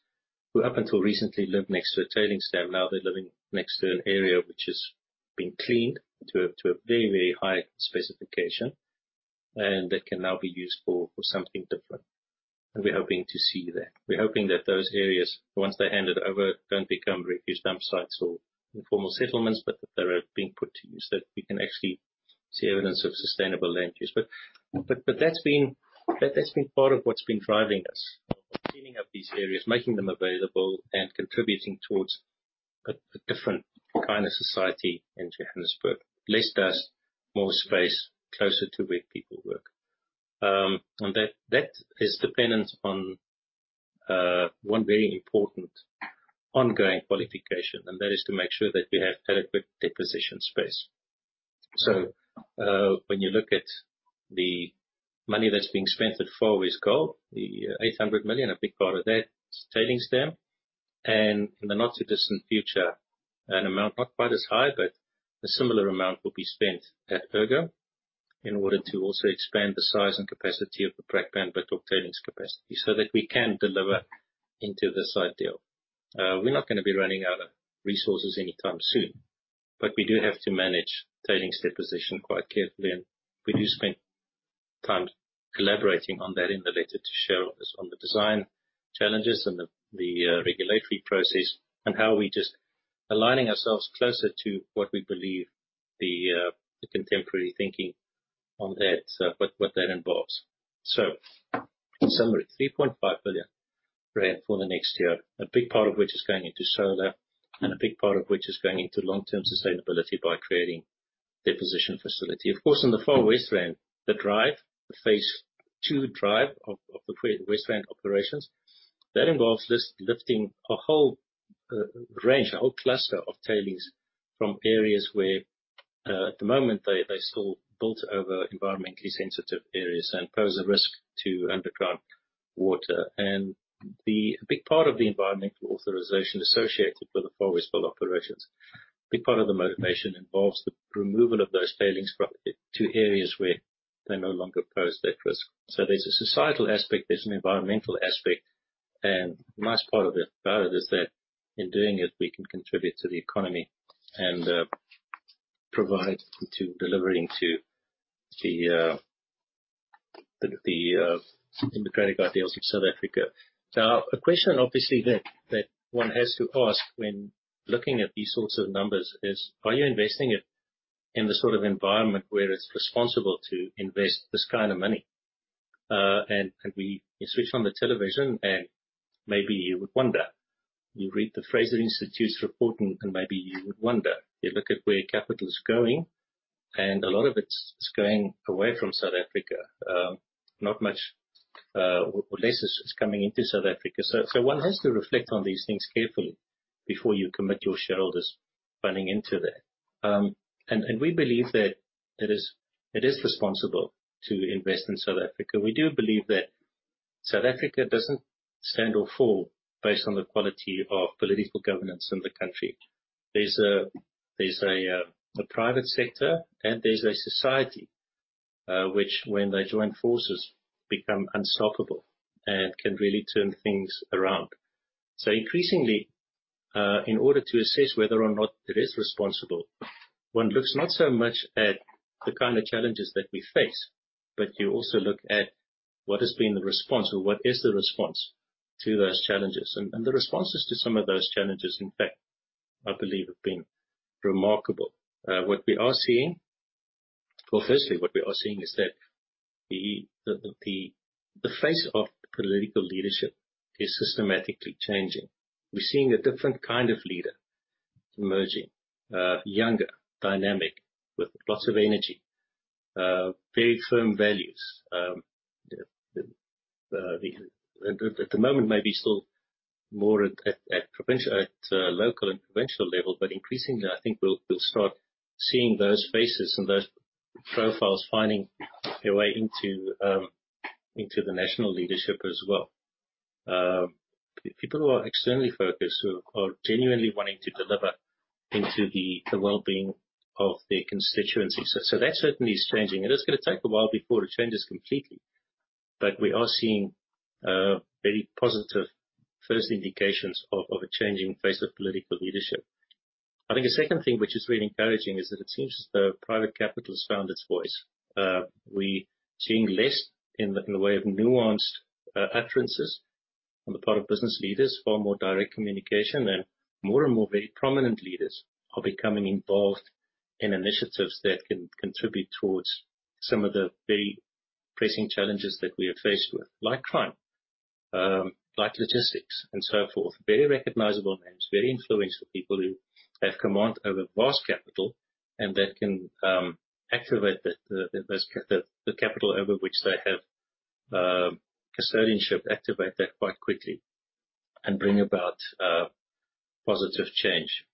who up until recently lived next to a tailings dam. Now they're living next to an area which has been cleaned to a, to a very, very high specification, and that can now be used for, for something different. We're hoping to see that. We're hoping that those areas, once they're handed over, don't become refuse dump sites or informal settlements, but that they are being put to use, that we can actually see evidence of sustainable land use. But, but that's been, that's been part of what's been driving us, cleaning up these areas, making them available and contributing towards a, a different kind of society in Johannesburg. Less dust, more space, closer to where people work. That, that is dependent on one very important ongoing qualification, and that is to make sure that we have adequate deposition space. When you look at the money that's being spent at Far West Gold, the 800 million, a big part of that is tailings dam. In the not-too-distant future, an amount not quite as high, but a similar amount will be spent at Ergo, in order to also expand the size and capacity of the Brakpan backrock tailings capacity, so that we can deliver into this ideal. We're not gonna be running out of resources anytime soon, but we do have to manage tailings deposition quite carefully. We do spend time collaborating on that in the letter to shareholders on the design challenges and the regulatory process and how we're just aligning ourselves closer to what we believe the contemporary thinking on that, what that involves. In summary, 3.5 billion rand for the next year, a big part of which is going into solar, a big part of which is going into long-term sustainability by creating deposition facility. Of course, in the Far West Rand, the drive, the phase two drive of the Far West Rand operations, that involves this lifting a whole range, a whole cluster of tailings from areas where, at the moment, they still built over environmentally sensitive areas and pose a risk to underground water. A big part of the environmental authorisation associated with the Far West Gold operations, a big part of the motivation involves the removal of those tailings to areas where they no longer pose that risk. There's a societal aspect, there's an environmental aspect, and the nice part of it, about it, is that in doing it, we can contribute to the economy and provide to delivering to the democratic ideals of South Africa. A question obviously that, that one has to ask when looking at these sorts of numbers is: Are you investing it in the sort of environment where it's responsible to invest this kind of money? And we, you switch on the television and maybe you would wonder. You read the Fraser Institute's reporting, and maybe you would wonder. You look at where capital is going, and a lot of it's, it's going away from South Africa. Not much, or less is, is coming into South Africa. One has to reflect on these things carefully before you commit your shareholders' funding into that. We believe that it is, it is responsible to invest in South Africa. We do believe that South Africa doesn't stand or fall based on the quality of political governance in the country. There's a, there's a private sector and there's a society, which when they join forces, become unstoppable and can really turn things around. Increasingly, in order to assess whether or not it is responsible, one looks not so much at the kind of challenges that we face, but you also look at what has been the response or what is the response to those challenges. The responses to some of those challenges, in fact, I believe, have been remarkable. seeing-- Well, firstly, what we are seeing is that the face of political leadership is systematically changing. We're seeing a different kind of leader emerging. Younger, dynamic, with lots of energy, very firm values. The, at the moment may be still more at provincial, local and provincial level, but increasingly, I think we'll start seeing those faces and those profiles finding their way into the national leadership as well. People who are externally focused, who are genuinely wanting to deliver into the well-being of their constituencies. So that certainly is changing, and it's gonna take a while before it changes completely, but we are seeing very positive first indications of a changing face of political leadership. I think the second thing, which is really encouraging, is that it seems as though private capital has found its voice. We're seeing less in the, in the way of nuanced utterances on the part of business leaders, far more direct communication, more and more very prominent leaders are becoming involved in initiatives that can contribute towards some of the very pressing challenges that we are faced with, like crime, like logistics, and so forth. Very recognizable names, very influential people who have command over vast capital, that can activate the, the, the, the capital over which they have custodianship, activate that quite quickly and bring about positive change.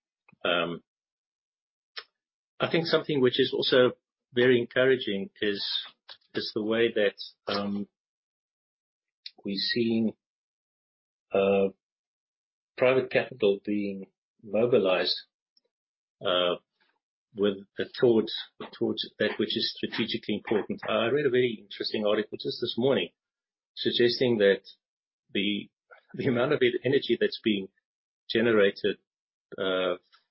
I think something which is also very encouraging is, is the way that we're seeing private capital being mobilized with, towards, towards that which is strategically important. I read a very interesting article just this morning, suggesting that the amount of energy that's being generated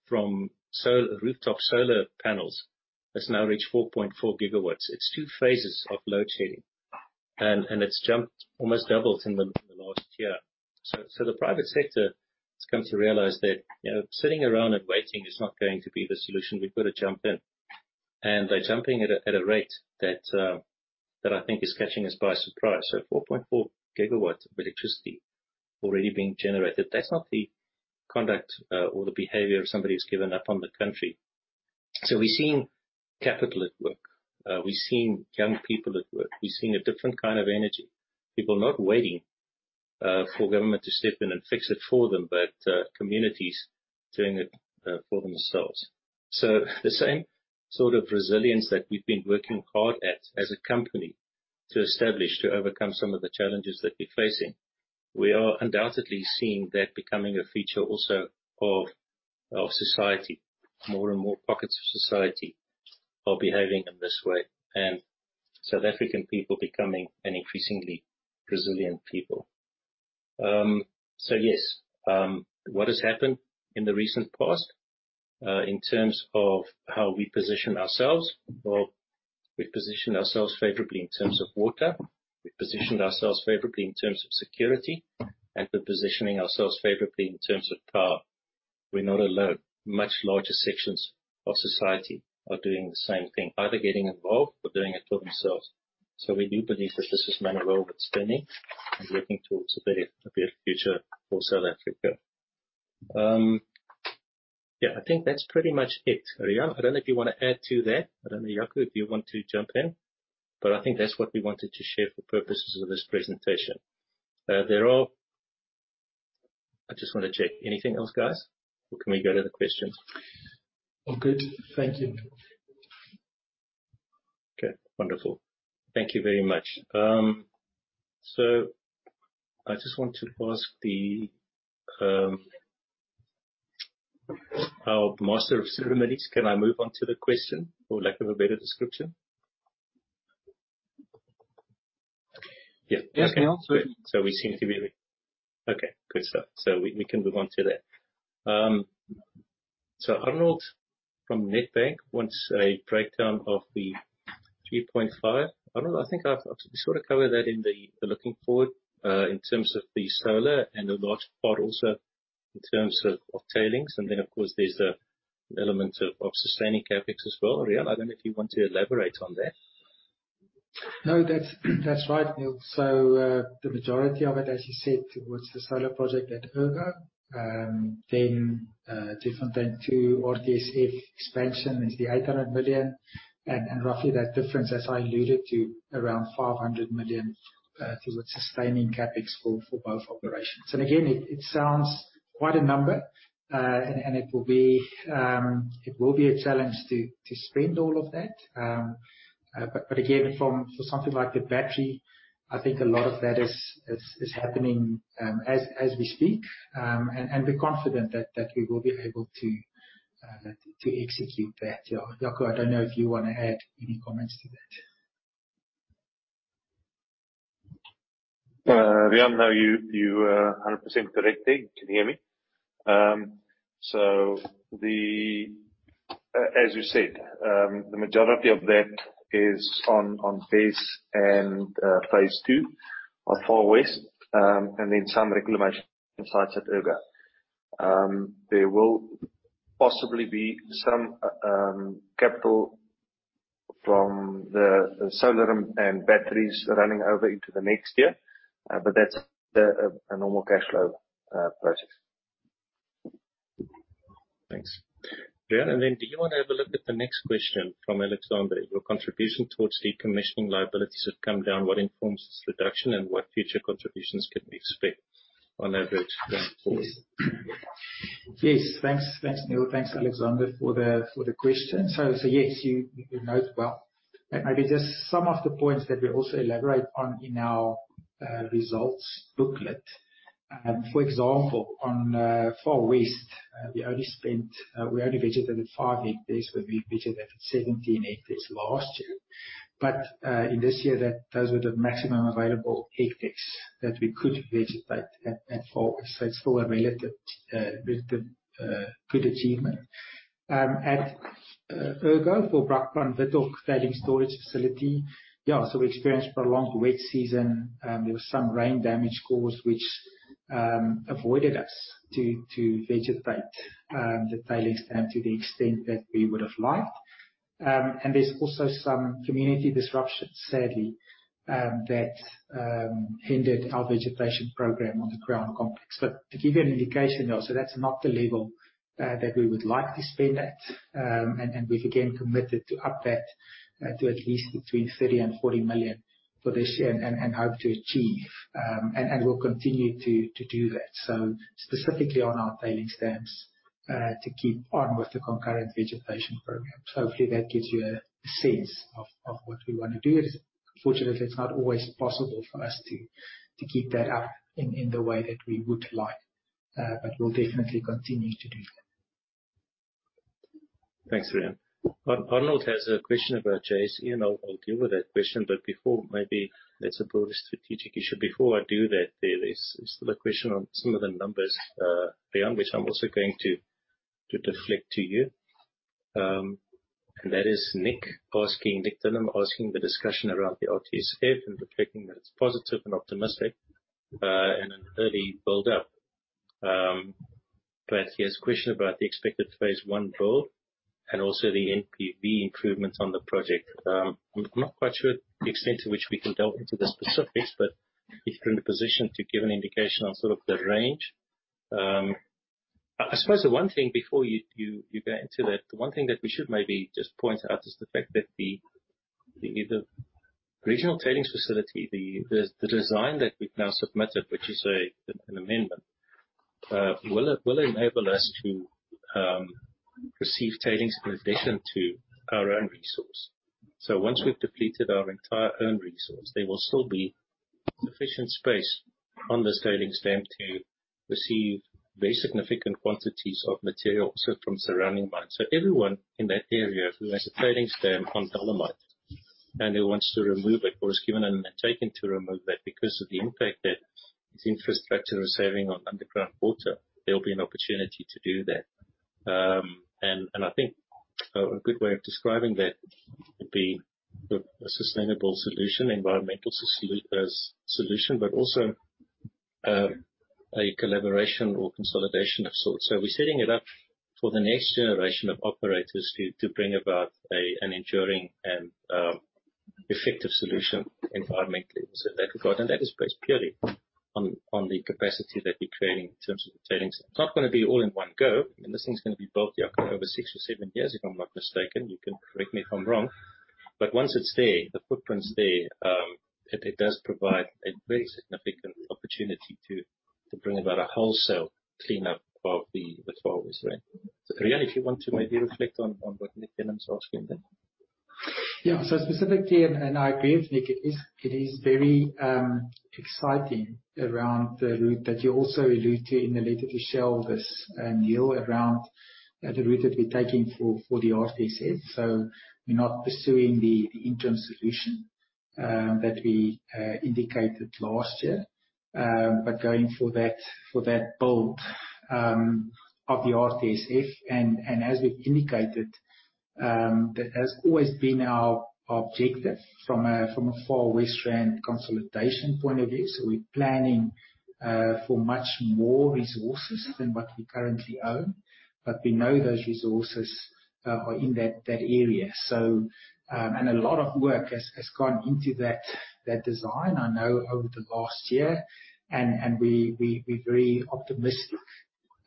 from solar rooftop solar panels, has now reached 4.4 GW. It's two phases of load shedding, and it's jumped, almost doubled in the last year. The private sector has come to realize that, you know, sitting around and waiting is not going to be the solution. We've got to jump in. They're jumping at a rate that I think is catching us by surprise. 4.4 GW of electricity already being generated, that's not the conduct or the behavior of somebody who's given up on the country. We're seeing capital at work. We're seeing young people at work. We're seeing a different kind of energy. People not waiting for government to step in and fix it for them, but, communities doing it for themselves. The same sort of resilience that we've been working hard at as a company to establish, to overcome some of the challenges that we're facing, we are undoubtedly seeing that becoming a feature also of, of society. More and more pockets of society are behaving in this way, and South African people becoming an increasingly resilient people. Yes, what has happened in the recent past, in terms of how we position ourselves? We've positioned ourselves favorably in terms of water, we've positioned ourselves favorably in terms of security, and we're positioning ourselves favorably in terms of power. We're not alone. Much larger sections of society are doing the same thing, either getting involved or doing it for themselves. We do believe that this is man over spinning and working towards a better, a better future for South Africa. Yeah, I think that's pretty much it. Riaan, I don't know if you want to add to that. I don't know, Jaco, if you want to jump in, but I think that's what we wanted to share for purposes of this presentation. I just wanna check. Anything else, guys, or can we go to the questions? All good. Thank you. Okay, wonderful. Thank you very much. I just want to ask the, our master of ceremonies, can I move on to the question, for lack of a better description? Yes, Niël. We seem to be ready. Okay, good start. We can move on to that. Arnold, from Nedbank, wants a breakdown of the 3.5. Arnold, I think I've sort of covered that in the looking forward, in terms of the solar and a large part also in terms of tailings, and then, of course, there's the element of sustaining CapEx as well. Riaan, I don't know if you want to elaborate on that. No, that's, that's right, Niël. The majority of it, as you said, was the solar project at Ergo. Different than 2 RTSF expansion is the 800 million, and roughly that difference, as I alluded to, around 500 million for the sustaining CapEx for both operations. Again, it, it sounds quite a number, and it will be a challenge to spend all of that. Again, for something like the battery, I think a lot of that is happening as we speak. We're confident that we will be able to execute that. Yeah. Jaco, I don't know if you wanna add any comments to that. Riaan, no, you, you are 100% correct there. Can you hear me? The, as you said, the majority of that is on, on Wes and phase two of Far West, and then some reclamation sites at Ergo. There will possibly be some capital from the, the solar room and batteries running over into the next year, but that's a normal cash flow process. Thanks. Yeah, and then do you wanna have a look at the next question from Alexander? Your contribution towards decommissioning liabilities have come down. What informs this reduction, and what future contributions can we expect on average going forward? Yes. Thanks. Thanks, Niël. Thanks, Alexander, for the question. Yes, you, you note well, and maybe just some of the points that we also elaborate on in our results booklet. For example, on Far West, we only spent, we only vegetated five hectares, but we vegetated 17 hectares last year. In this year, that, those were the maximum available hectares that we could vegetate at, at Far West, so it's still a relative, relative good achievement. At Ergo, for Brakpan tailings storage facility, we experienced prolonged wet season, there was some rain damage caused, which avoided us to, to vegetate the tailings and to the extent that we would've liked. There's also some community disruption, sadly, that hindered our vegetation program on the Crown complex. To give you an indication, though, so that's not the level that we would like to spend at. And we've again committed to up that to at least between $30 million and $40 million for this year and, and hope to achieve. And we'll continue to, to do that. Specifically on our tailings dams to keep on with the concurrent vegetation programs. Hopefully, that gives you a sense of, of what we wanna do. Unfortunately, it's not always possible for us to, to keep that up in, in the way that we would like, but we'll definitely continue to do that. Thanks, Riaan. Arnold has a question about JSE, and I'll deal with that question, but before, maybe let's approach a strategic issue. Before I do that, there is still a question on some of the numbers, Riaan, which I'm also going to deflect to you. That is Nick asking, Nick Dionisio, asking the discussion around the RTSF and reflecting that it's positive and optimistic, and an early build-up. He has a question about the expected phase I build and also the NPV improvements on the project. I'm not quite sure the extent to which we can delve into the specifics, but if you're in a position to give an indication on sort of the range. I suppose the one thing before you, you, you get into that, the one thing that we should maybe just point out is the fact that the, the, the Regional Tailings Facility, the, the, the design that we've now submitted, which is an amendment, will enable us to receive tailings in addition to our own resource. Once we've depleted our entire own resource, there will still be sufficient space on this tailings dam to receive very significant quantities of material also from surrounding mines. Everyone in that area who has a tailings dam on dolomite, and who wants to remove it, or is given an undertaking to remove that, because of the impact that this infrastructure is having on underground water, there'll be an opportunity to do that. I think a a good way of describing that would be a a sustainable solution, environmental solution, but also a collaboration or consolidation of sorts. We're setting it up for the next generation of operators to to bring about an enduring and effective solution environmentally. That is based purely on on the capacity that we're creating in terms of the tailings. It's not gonna be all in one go, and this thing's gonna be built, Jaco, over six or seven years, if I'm not mistaken. You can correct me if I'm wrong. Once it's there, the footprint's there, it it does provide a very significant opportunity to to bring about a wholesale cleanup of the the Far West Rand, right? Riaan, if you want to maybe reflect on on what Nick Dionisio is asking then. Yeah. Specifically, and, and I agree with Niël, it is, it is very, exciting around the route that you also allude to in the letter to shareholders, Niël, around, the route that we're taking for, for the RTSF. We're not pursuing the interim solution, that we, indicated last year, but going for that, for that build, of the RTSF. As we've indicated, that has always been our objective from a, from a Far West Rand consolidation point of view. We're planning, for much more resources than what we currently own, but we know those resources, are in that, that area. A lot of work has, has gone into that, that design, I know, over the last year, and, and we, we, we're very optimistic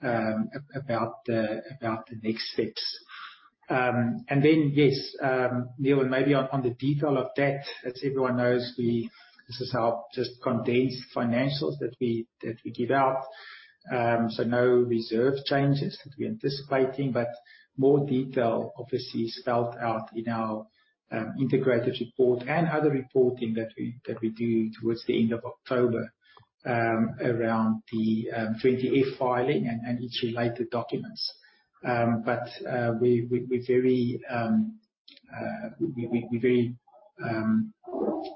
about the, about the next steps. Yes, Niël, and maybe on, on the detail of that, as everyone knows, we- this is our just condensed financials that we, that we give out. No reserve changes that we're anticipating, but more detail obviously spelled out in our integrated report and other reporting that we, that we do towards the end of October, around the 20-F filing and, and each related documents. We, we, we're very we, we, we're very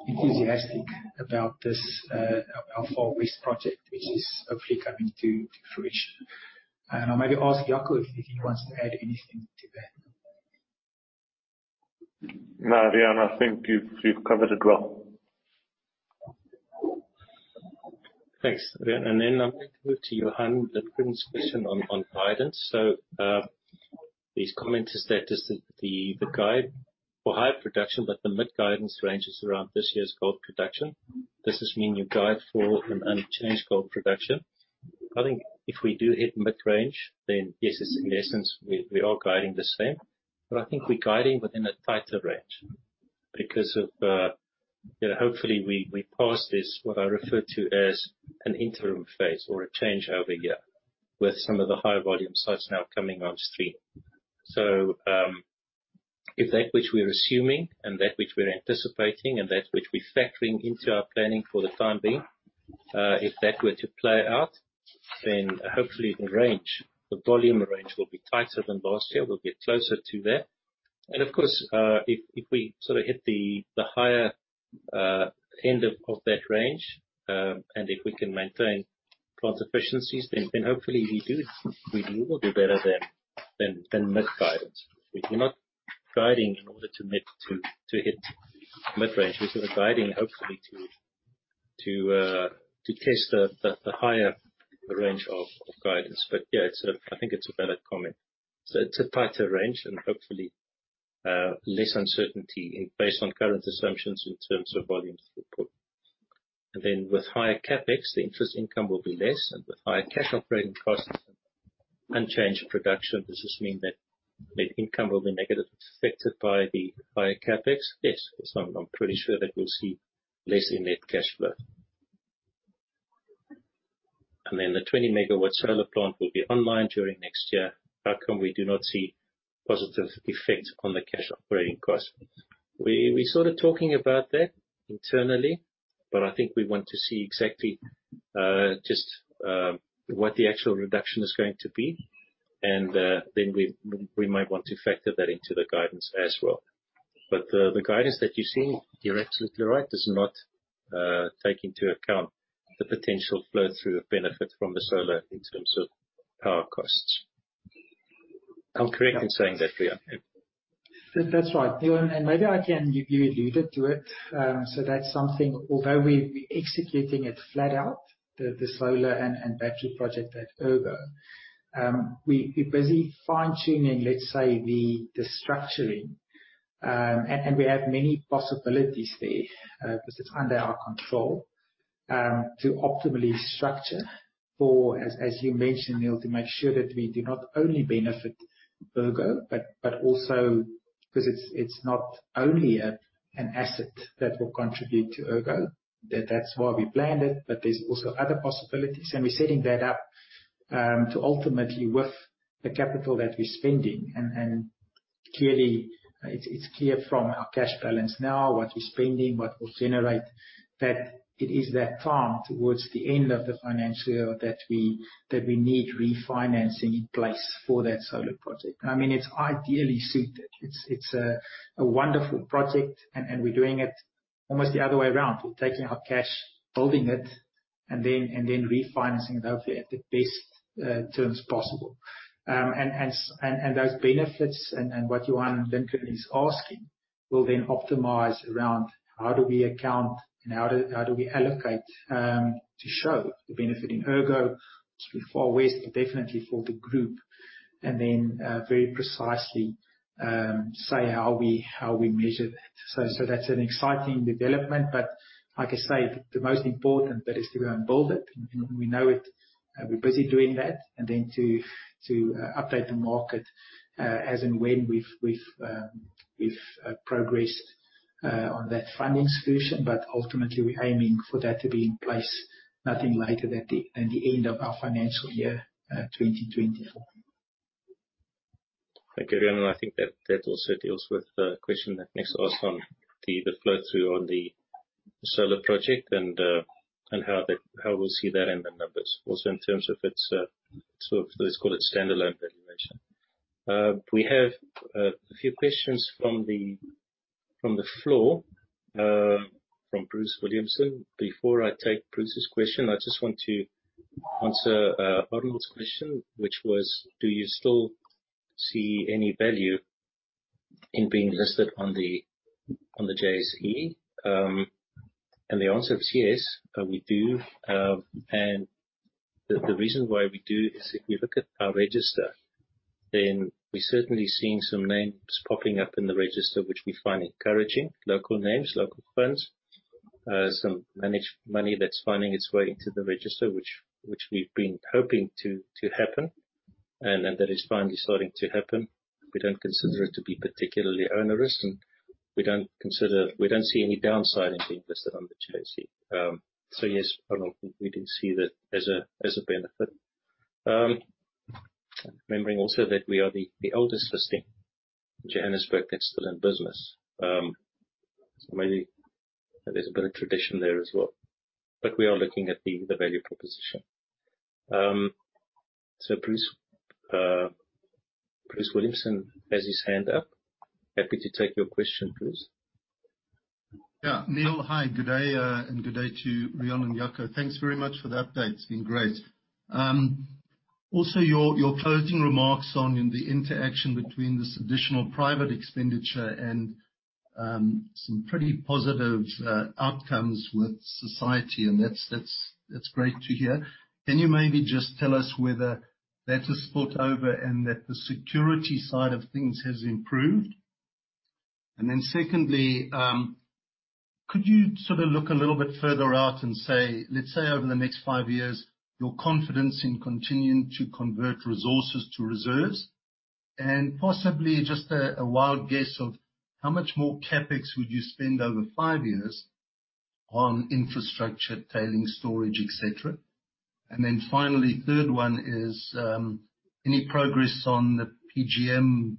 enthusiastic about this, our Far West project, which is hopefully coming to, to fruition. I'll maybe ask Jaco if he wants to add anything to that. No, Riaan, I think you've, you've covered it well. Thanks, Riaan. Then I'm going to go to Johan Steyn's question on, on guidance. His comment is that is the, the guide for higher production, but the mid-guidance range is around this year's gold production. Does this mean you guide for an unchanged gold production? I think if we do hit mid-range, then yes, it's in essence, we, we are guiding the same, but I think we're guiding within a tighter range because of. You know, hopefully, we, we pass this, what I refer to as an interim phase or a changeover year, with some of the higher volume sites now coming on stream. If that which we're assuming, and that which we're anticipating and that which we're factoring into our planning for the time being, if that were to play out, then hopefully the range, the volume range, will be tighter than last year. We'll get closer to that. Of course, if, if we sort of hit the, the higher, end of, of that range, and if we can maintain plant efficiencies, then, then hopefully we do, we will do better than, than, than mid-guidance. We're not guiding in order to meet, to, to hit mid-range. We're sort of guiding, hopefully, to, to, to test the, the, the higher range of, of guidance. Yeah, I think it's a valid comment. It's a tighter range and hopefully, less uncertainty in, based on current assumptions in terms of volume throughput. With higher CapEx, the interest income will be less, and with higher cash operating costs and unchanged production, does this mean that net income will be negative, affected by the higher CapEx? Yes, I'm pretty sure that we'll see less in net cash flow. The 20 MW solar plant will be online during next year. How come we do not see positive effect on the cash operating costs? We're sort of talking about that internally, but I think we want to see exactly what the actual reduction is going to be, and then we might want to factor that into the guidance as well. The guidance that you see, you're absolutely right, does not take into account the potential flow-through benefit from the solar in terms of power costs. I'm correct in saying that, Riaan? That's right, Niël. Maybe I can. You, you alluded to it. That's something, although we're, we're executing it flat out, the, the solar and, and battery project at Ergo. We, we're busy fine-tuning, let's say, the, the structuring. We have many possibilities there because it's under our control to optimally structure for, as, as you mentioned, Niël, to make sure that we do not only benefit Ergo, but, but also because it's, it's not only a, an asset that will contribute to Ergo. That, that's why we planned it. There's also other possibilities. We're setting that up to ultimately with the capital that we're spending. Clearly, it's, it's clear from our cash balance now, what we're spending, what we'll generate, that it is that far towards the end of the financial year, that we, that we need refinancing in place for that solar project. I mean, it's ideally suited. It's, it's a, a wonderful project, and, and we're doing it almost the other way around. We're taking our cash, building it, and then, and then refinancing it, hopefully, at the best terms possible. And those benefits, and what Johan Steyn is asking, will then optimize around how do we account and how do, how do we allocate to show the benefit in Ergo, Far West, definitely for the group, and then very precisely say how we, how we measure that. So that's an exciting development, but like I say, the most important that is to go and build it, and we know it. We're busy doing that, and then to, to update the market, as and when we've, we've, we've progressed on that funding solution. Ultimately, we're aiming for that to be in place, nothing later than the, than the end of our financial year 2024. Thank you, Riaan, and I think that, that also deals with the question that Nick asked on the flow-through on the solar project and how we'll see that in the numbers. Also in terms of its sort of, let's call it standalone valuation. We have a few questions from the floor from Bruce Williamson. Before I take Bruce's question, I just want to answer Arnold's question, which was: Do you still see any value in being listed on the JSE? The answer is yes, we do. The reason why we do is if you look at our register, then we're certainly seeing some names popping up in the register, which we find encouraging. Local names, local funds, some managed money that's finding its way into the register, which, which we've been hoping to, to happen, that is finally starting to happen. We don't consider it to be particularly onerous, we don't see any downside in being listed on the JSE. Yes, Arnold, we do see that as a, as a benefit. Remembering also that we are the, the oldest listing in Johannesburg that's still in business. Maybe there's a bit of tradition there as well, we are looking at the, the value proposition. Bruce, Bruce Williamson has his hand up. Happy to take your question, Bruce. Yeah, Niël, hi, good day, and good day to Riaan and Jaco. Thanks very much for the update. It's been great. Also, your, your closing remarks on in the interaction between this additional private expenditure and, some pretty positive, outcomes with society, and that's, that's, that's great to hear. Can you maybe just tell us whether that has spilled over and that the security side of things has improved? Then secondly, could you sort of look a little bit further out and say, let's say, over the next 5 years, your confidence in continuing to convert resources to reserves, and possibly just a, a wild guess of how much more CapEx would you spend over 5 years on infrastructure, tailing, storage, et cetera? Then finally, third one is, any progress on the PGM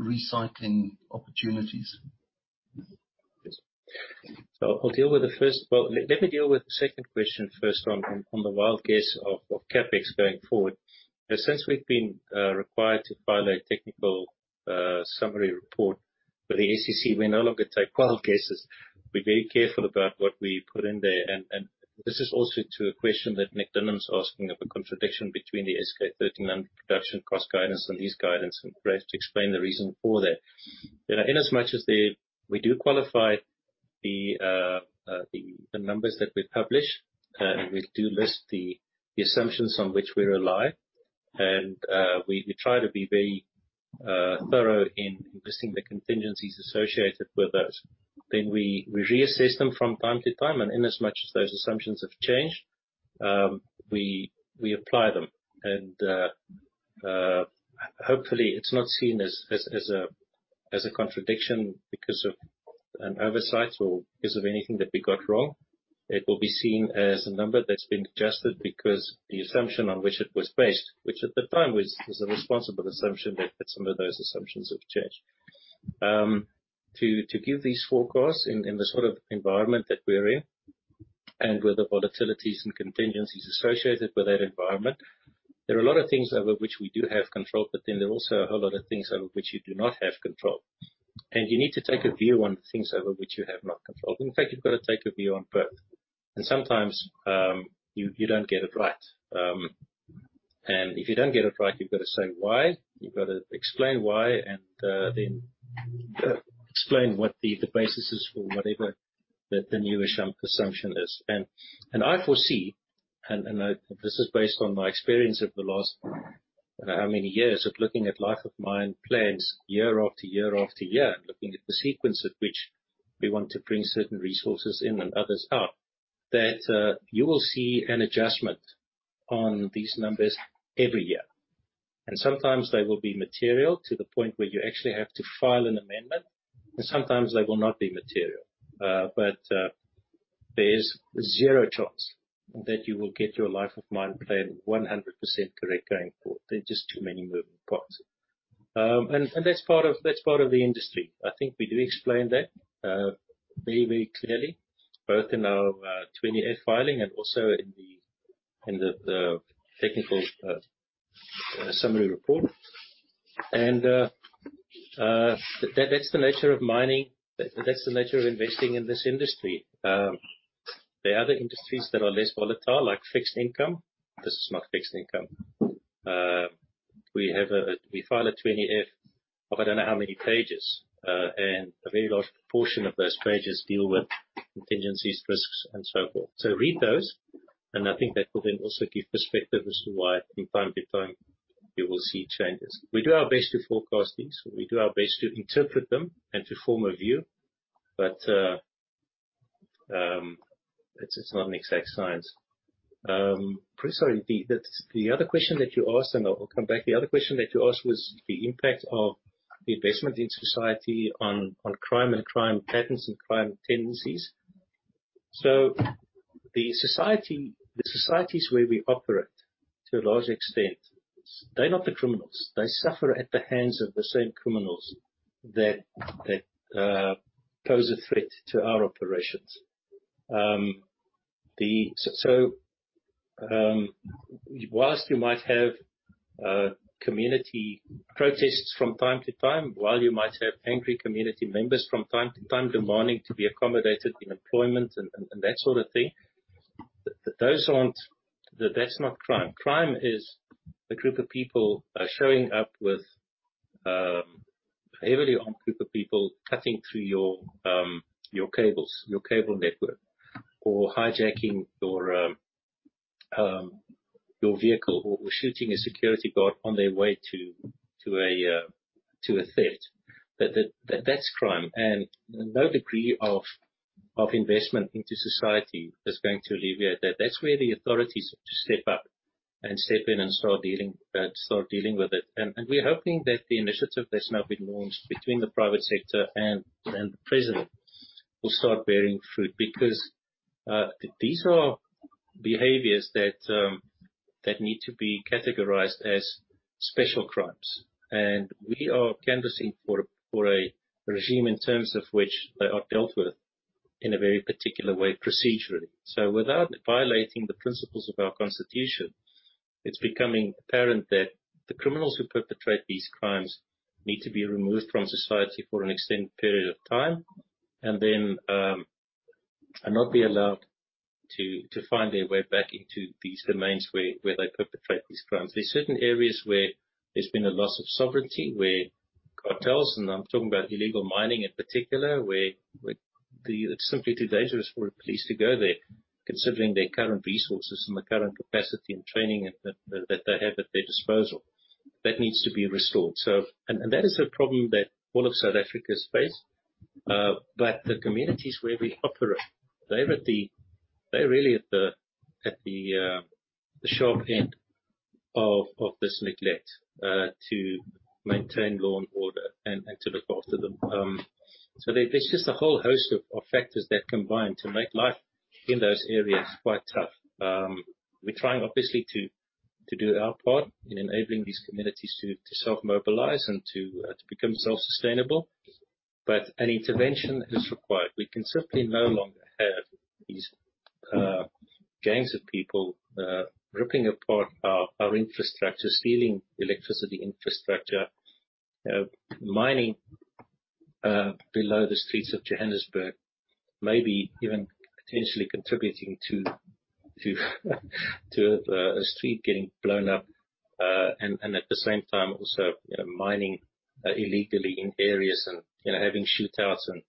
recycling opportunities? Well, let me deal with the second question first on, on, on the wild guess of, of CapEx going forward. Since we've been required to file a technical summary report for the SEC, we no longer take wild guesses. We're very careful about what we put in there, and, and this is also to a question that Nick Dionisio's asking of a contradiction between the S-K 1300 and production cost guidance and his guidance, and for us to explain the reason for that. You know, in as much as the, we do qualify the, the numbers that we publish, we do list the, the assumptions on which we rely, and we, we try to be very thorough in listing the contingencies associated with those. We, we reassess them from time to time, and in as much as those assumptions have changed, we, we apply them. Hopefully, it's not seen as, as, as a, as a contradiction because of an oversight or because of anything that we got wrong. It will be seen as a number that's been adjusted because the assumption on which it was based, which at the time was, was a responsible assumption, but some of those assumptions have changed. To, to give these forecasts in, in the sort of environment that we're in and with the volatilities and contingencies associated with that environment, there are a lot of things over which we do have control, but then there are also a whole lot of things over which you do not have control. You need to take a view on the things over which you have not control. In fact, you've got to take a view on both. Sometimes, you, you don't get it right. If you don't get it right, you've got to say why. You've got to explain why, and then explain what the, the basis is for whatever the, the new assumption is. I foresee. This is based on my experience of the last, I don't know how many years of looking at life of mine plans year after year after year, looking at the sequence at which we want to bring certain resources in and others out, that you will see an adjustment on these numbers every year. Sometimes they will be material to the point where you actually have to file an amendment, and sometimes they will not be material. But there's zero chance that you will get your life of mine plan 100% correct going forward. There are just too many moving parts. That's part of, that's part of the industry. I think we do explain that very, very clearly, both in our 20-F filing and also in the, in the, the technical summary report. That's the nature of mining. That's the nature of investing in this industry. There are other industries that are less volatile, like fixed income. This is not fixed income. We have we file a 20-F of I don't know how many pages, and a very large portion of those pages deal with contingencies, risks and so forth. Read those, and I think that will then also give perspective as to why, from time to time, you will see changes. We do our best to forecast these. We do our best to interpret them and to form a view, but it's, it's not an exact science. Sorry, the, the, the other question that you asked, and I will come back, the other question that you asked was the impact of the investment in society on, on crime, and crime patterns, and crime tendencies. The society- the societies where we operate, to a large extent, they're not the criminals. They suffer at the hands of the same criminals that pose a threat to our operations. Whilst you might have community protests from time to time, while you might have angry community members from time to time demanding to be accommodated in employment and that sort of thing, that's not crime. Crime is a group of people showing up with a heavily armed group of people cutting through your cables, your cable network, or hijacking your vehicle, or shooting a security guard on their way to a threat. That's crime, and no degree of investment into society is going to alleviate that. That's where the authorities have to step up and step in and start dealing with it. We're hoping that the initiative that's now been launched between the private sector and, and the president will start bearing fruit, because these are behaviors that need to be categorized as special crimes. We are canvassing for, for a regime in terms of which they are dealt with in a very particular way procedurally. Without violating the principles of our constitution, it's becoming apparent that the criminals who perpetrate these crimes need to be removed from society for an extended period of time, and then, and not be allowed to, to find their way back into these domains where, where they perpetrate these crimes. There are certain areas where there's been a loss of sovereignty, where cartels, and I'm talking about illegal mining in particular, where it's simply too dangerous for the police to go there, considering their current resources and the current capacity and training that, that, that they have at their disposal. That needs to be restored. That is a problem that all of South Africa face. But the communities where we operate, they're really at the, at the sharp end of, of this neglect to maintain law and order and, and to look after them. There's just a whole host of, of factors that combine to make life in those areas quite tough. We're trying obviously to, to do our part in enabling these communities to, to self-mobilize and to become self-sustainable. An intervention is required. We can certainly no longer have these gangs of people ripping apart our infrastructure, stealing electricity infrastructure, mining below the streets of Johannesburg, maybe even potentially contributing to, to, to a street getting blown up. And at the same time, also, you know, mining illegally in areas and, you know, having shootouts and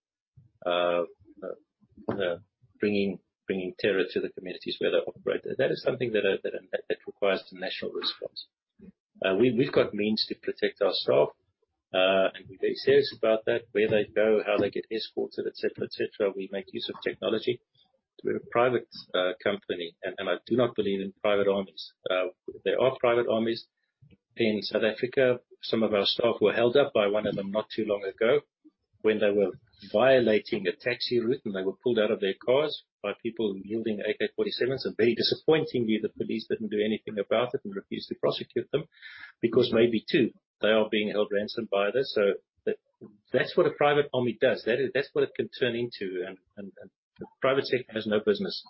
bringing, bringing terror to the communities where they operate. That is something that, that requires a national response. We've, we've got means to protect our staff, and we're very serious about that, where they go, how they get escorted, et cetera, et cetera. We make use of technology. We're a private company, and I do not believe in private armies. There are private armies in South Africa. Some of our staff were held up by one of them not too long ago when they were violating a taxi route, and they were pulled out of their cars by people wielding AK-47s. Very disappointingly, the police didn't do anything about it and refused to prosecute them, because maybe, too, they are being held ransom by this. That, that's what a private army does. That's what it can turn into, and the private sector has no business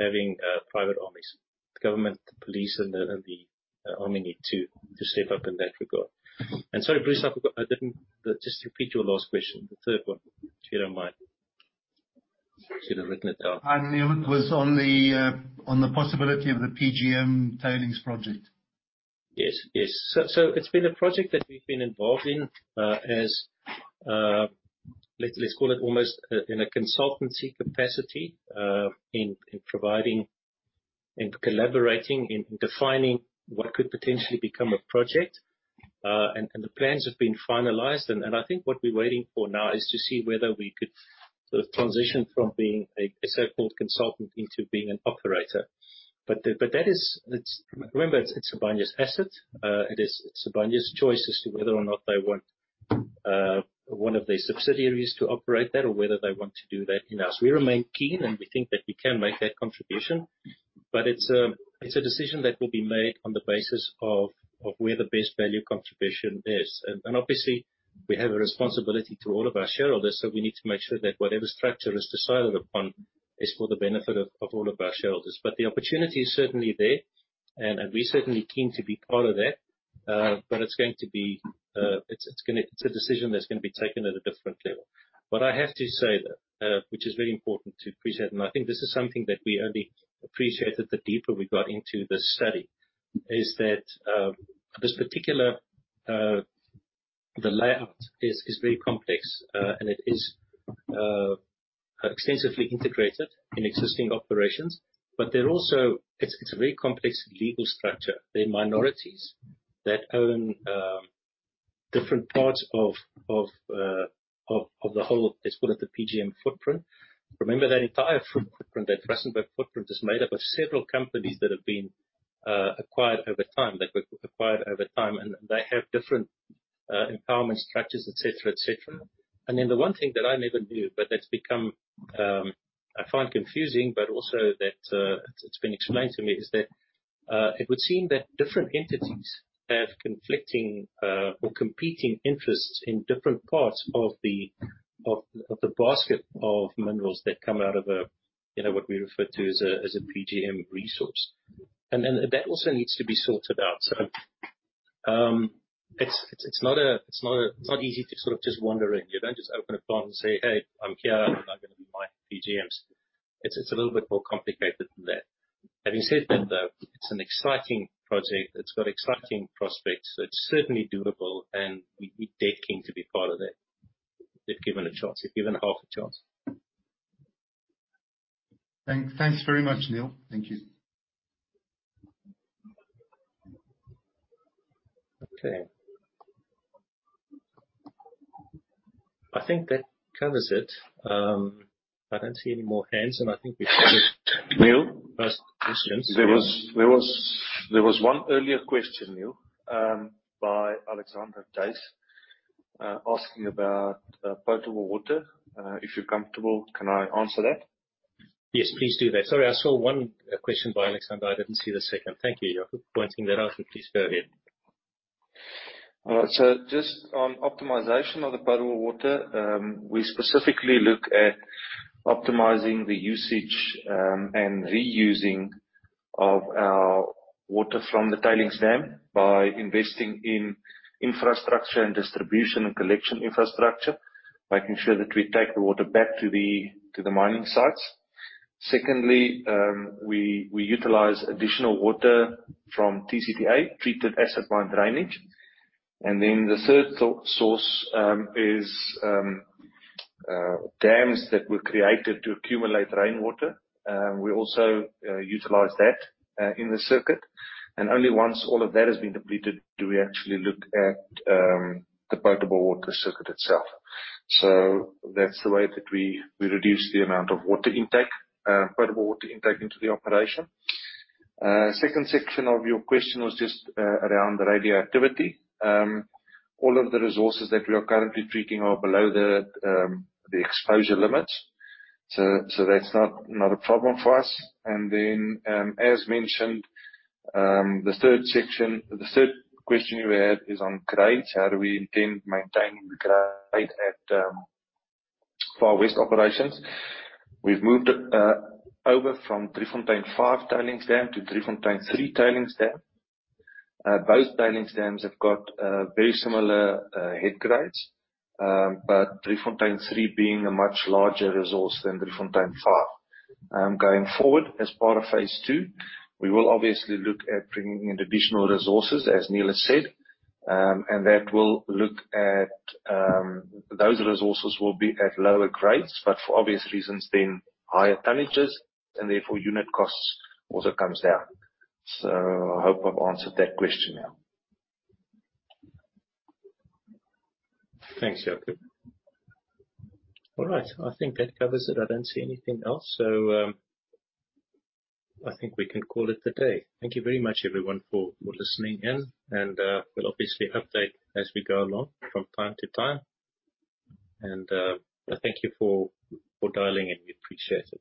having private armies. The government, the police, and the army need to step up in that regard. Sorry, Bruce, I forgot. Just repeat your last question, the third one, if you don't mind. Should have written it down. It was on the, on the possibility of the PGM tailings project. Yes, yes. It's been a project that we've been involved in, as, let's, let's call it almost, in a consultancy capacity, in, in providing and collaborating, in defining what could potentially become a project. The plans have been finalized, and I think what we're waiting for now is to see whether we could sort of transition from being a, a so called consultant into being an operator. Remember, it's Sibanye's asset. It is Sibanye's choice as to whether or not they want, one of their subsidiaries to operate that or whether they want to do that in-house. We remain keen, and we think that we can make that contribution, but it's a, it's a decision that will be made on the basis of, of where the best value contribution is. Obviously, we have a responsibility to all of our shareholders, so we need to make sure that whatever structure is decided upon is for the benefit of, of all of our shareholders. The opportunity is certainly there, and, and we're certainly keen to be part of that. But it's going to be, it's a decision that's gonna be taken at a different level. What I have to say, though, which is very important to appreciate, and I think this is something that we only appreciated the deeper we got into this study, is that, this particular, the layout is very complex, and it is extensively integrated in existing operations. There are also. It's a very complex legal structure. They're minorities that own different parts of the whole, let's call it the PGM footprint. Remember, that entire footprint, that Rustenburg footprint, is made up of several companies that have been acquired over time. They've been acquired over time, and they have different empowerment structures, et cetera, et cetera. The one thing that I never knew, but that's become, I find confusing, but also that it's, it's been explained to me, is that it would seem that different entities have conflicting or competing interests in different parts of the, of the, of the basket of minerals that come out of a, you know, what we refer to as a, as a PGM resource. That also needs to be sorted out. It's not easy to sort of just wander in. You don't just open a plant and say, "Hey, I'm here, and I'm gonna be mining PGMs." It's, it's a little bit more complicated than that. Having said that, though, it's an exciting project. It's got exciting prospects. It's certainly doable, and we'd be dead keen to be part of it if given a chance, if given half a chance. Thank, thanks very much, Niël. Thank you. Okay. I think that covers it. I don't see any more hands, and I think we. Niël? Last questions. There was, there was, there was one earlier question, Niël, by Alexander Hogg, asking about potable water. If you're comfortable, can I answer that? Yes, please do that. Sorry, I saw one question by Alexander. I didn't see the second. Thank you, Jaco, for pointing that out. Please go ahead. Just on optimization of the potable water, we specifically look at optimizing the usage and reusing of our water from the tailings dam by investing in infrastructure and distribution and collection infrastructure, making sure that we take the water back to the, to the mining sites. Secondly, we utilize additional water from TCTA, treated acid mine drainage. The third source is dams that were created to accumulate rainwater. We also utilize that in the circuit, and only once all of that has been depleted do we actually look at the potable water circuit itself. That's the way that we reduce the amount of water intake, potable water intake into the operation. Second section of your question was just around the radioactivity. All of the resources that we are currently treating are below the exposure limits, so, so that's not, not a problem for us. As mentioned, the third section, the third question you had is on grades. How do we intend maintaining the grade at Far West operations? We've moved over from Driefontein 5 tailings dam to Driefontein 3 tailings dam. Both tailings dams have got very similar head grades, but Driefontein 3 being a much larger resource than Driefontein 5. Going forward, as part of phase II, we will obviously look at bringing in additional resources, as Niël has said. That will look at. Those resources will be at lower grades, but for obvious reasons, then, higher tonnages and therefore unit costs also comes down. I hope I've answered that question now. Thanks, Jaco. All right, I think that covers it. I don't see anything else, so, I think we can call it a day. Thank you very much, everyone, for, for listening in. We'll obviously update as we go along from time to time. Thank you for, for dialing in. We appreciate it.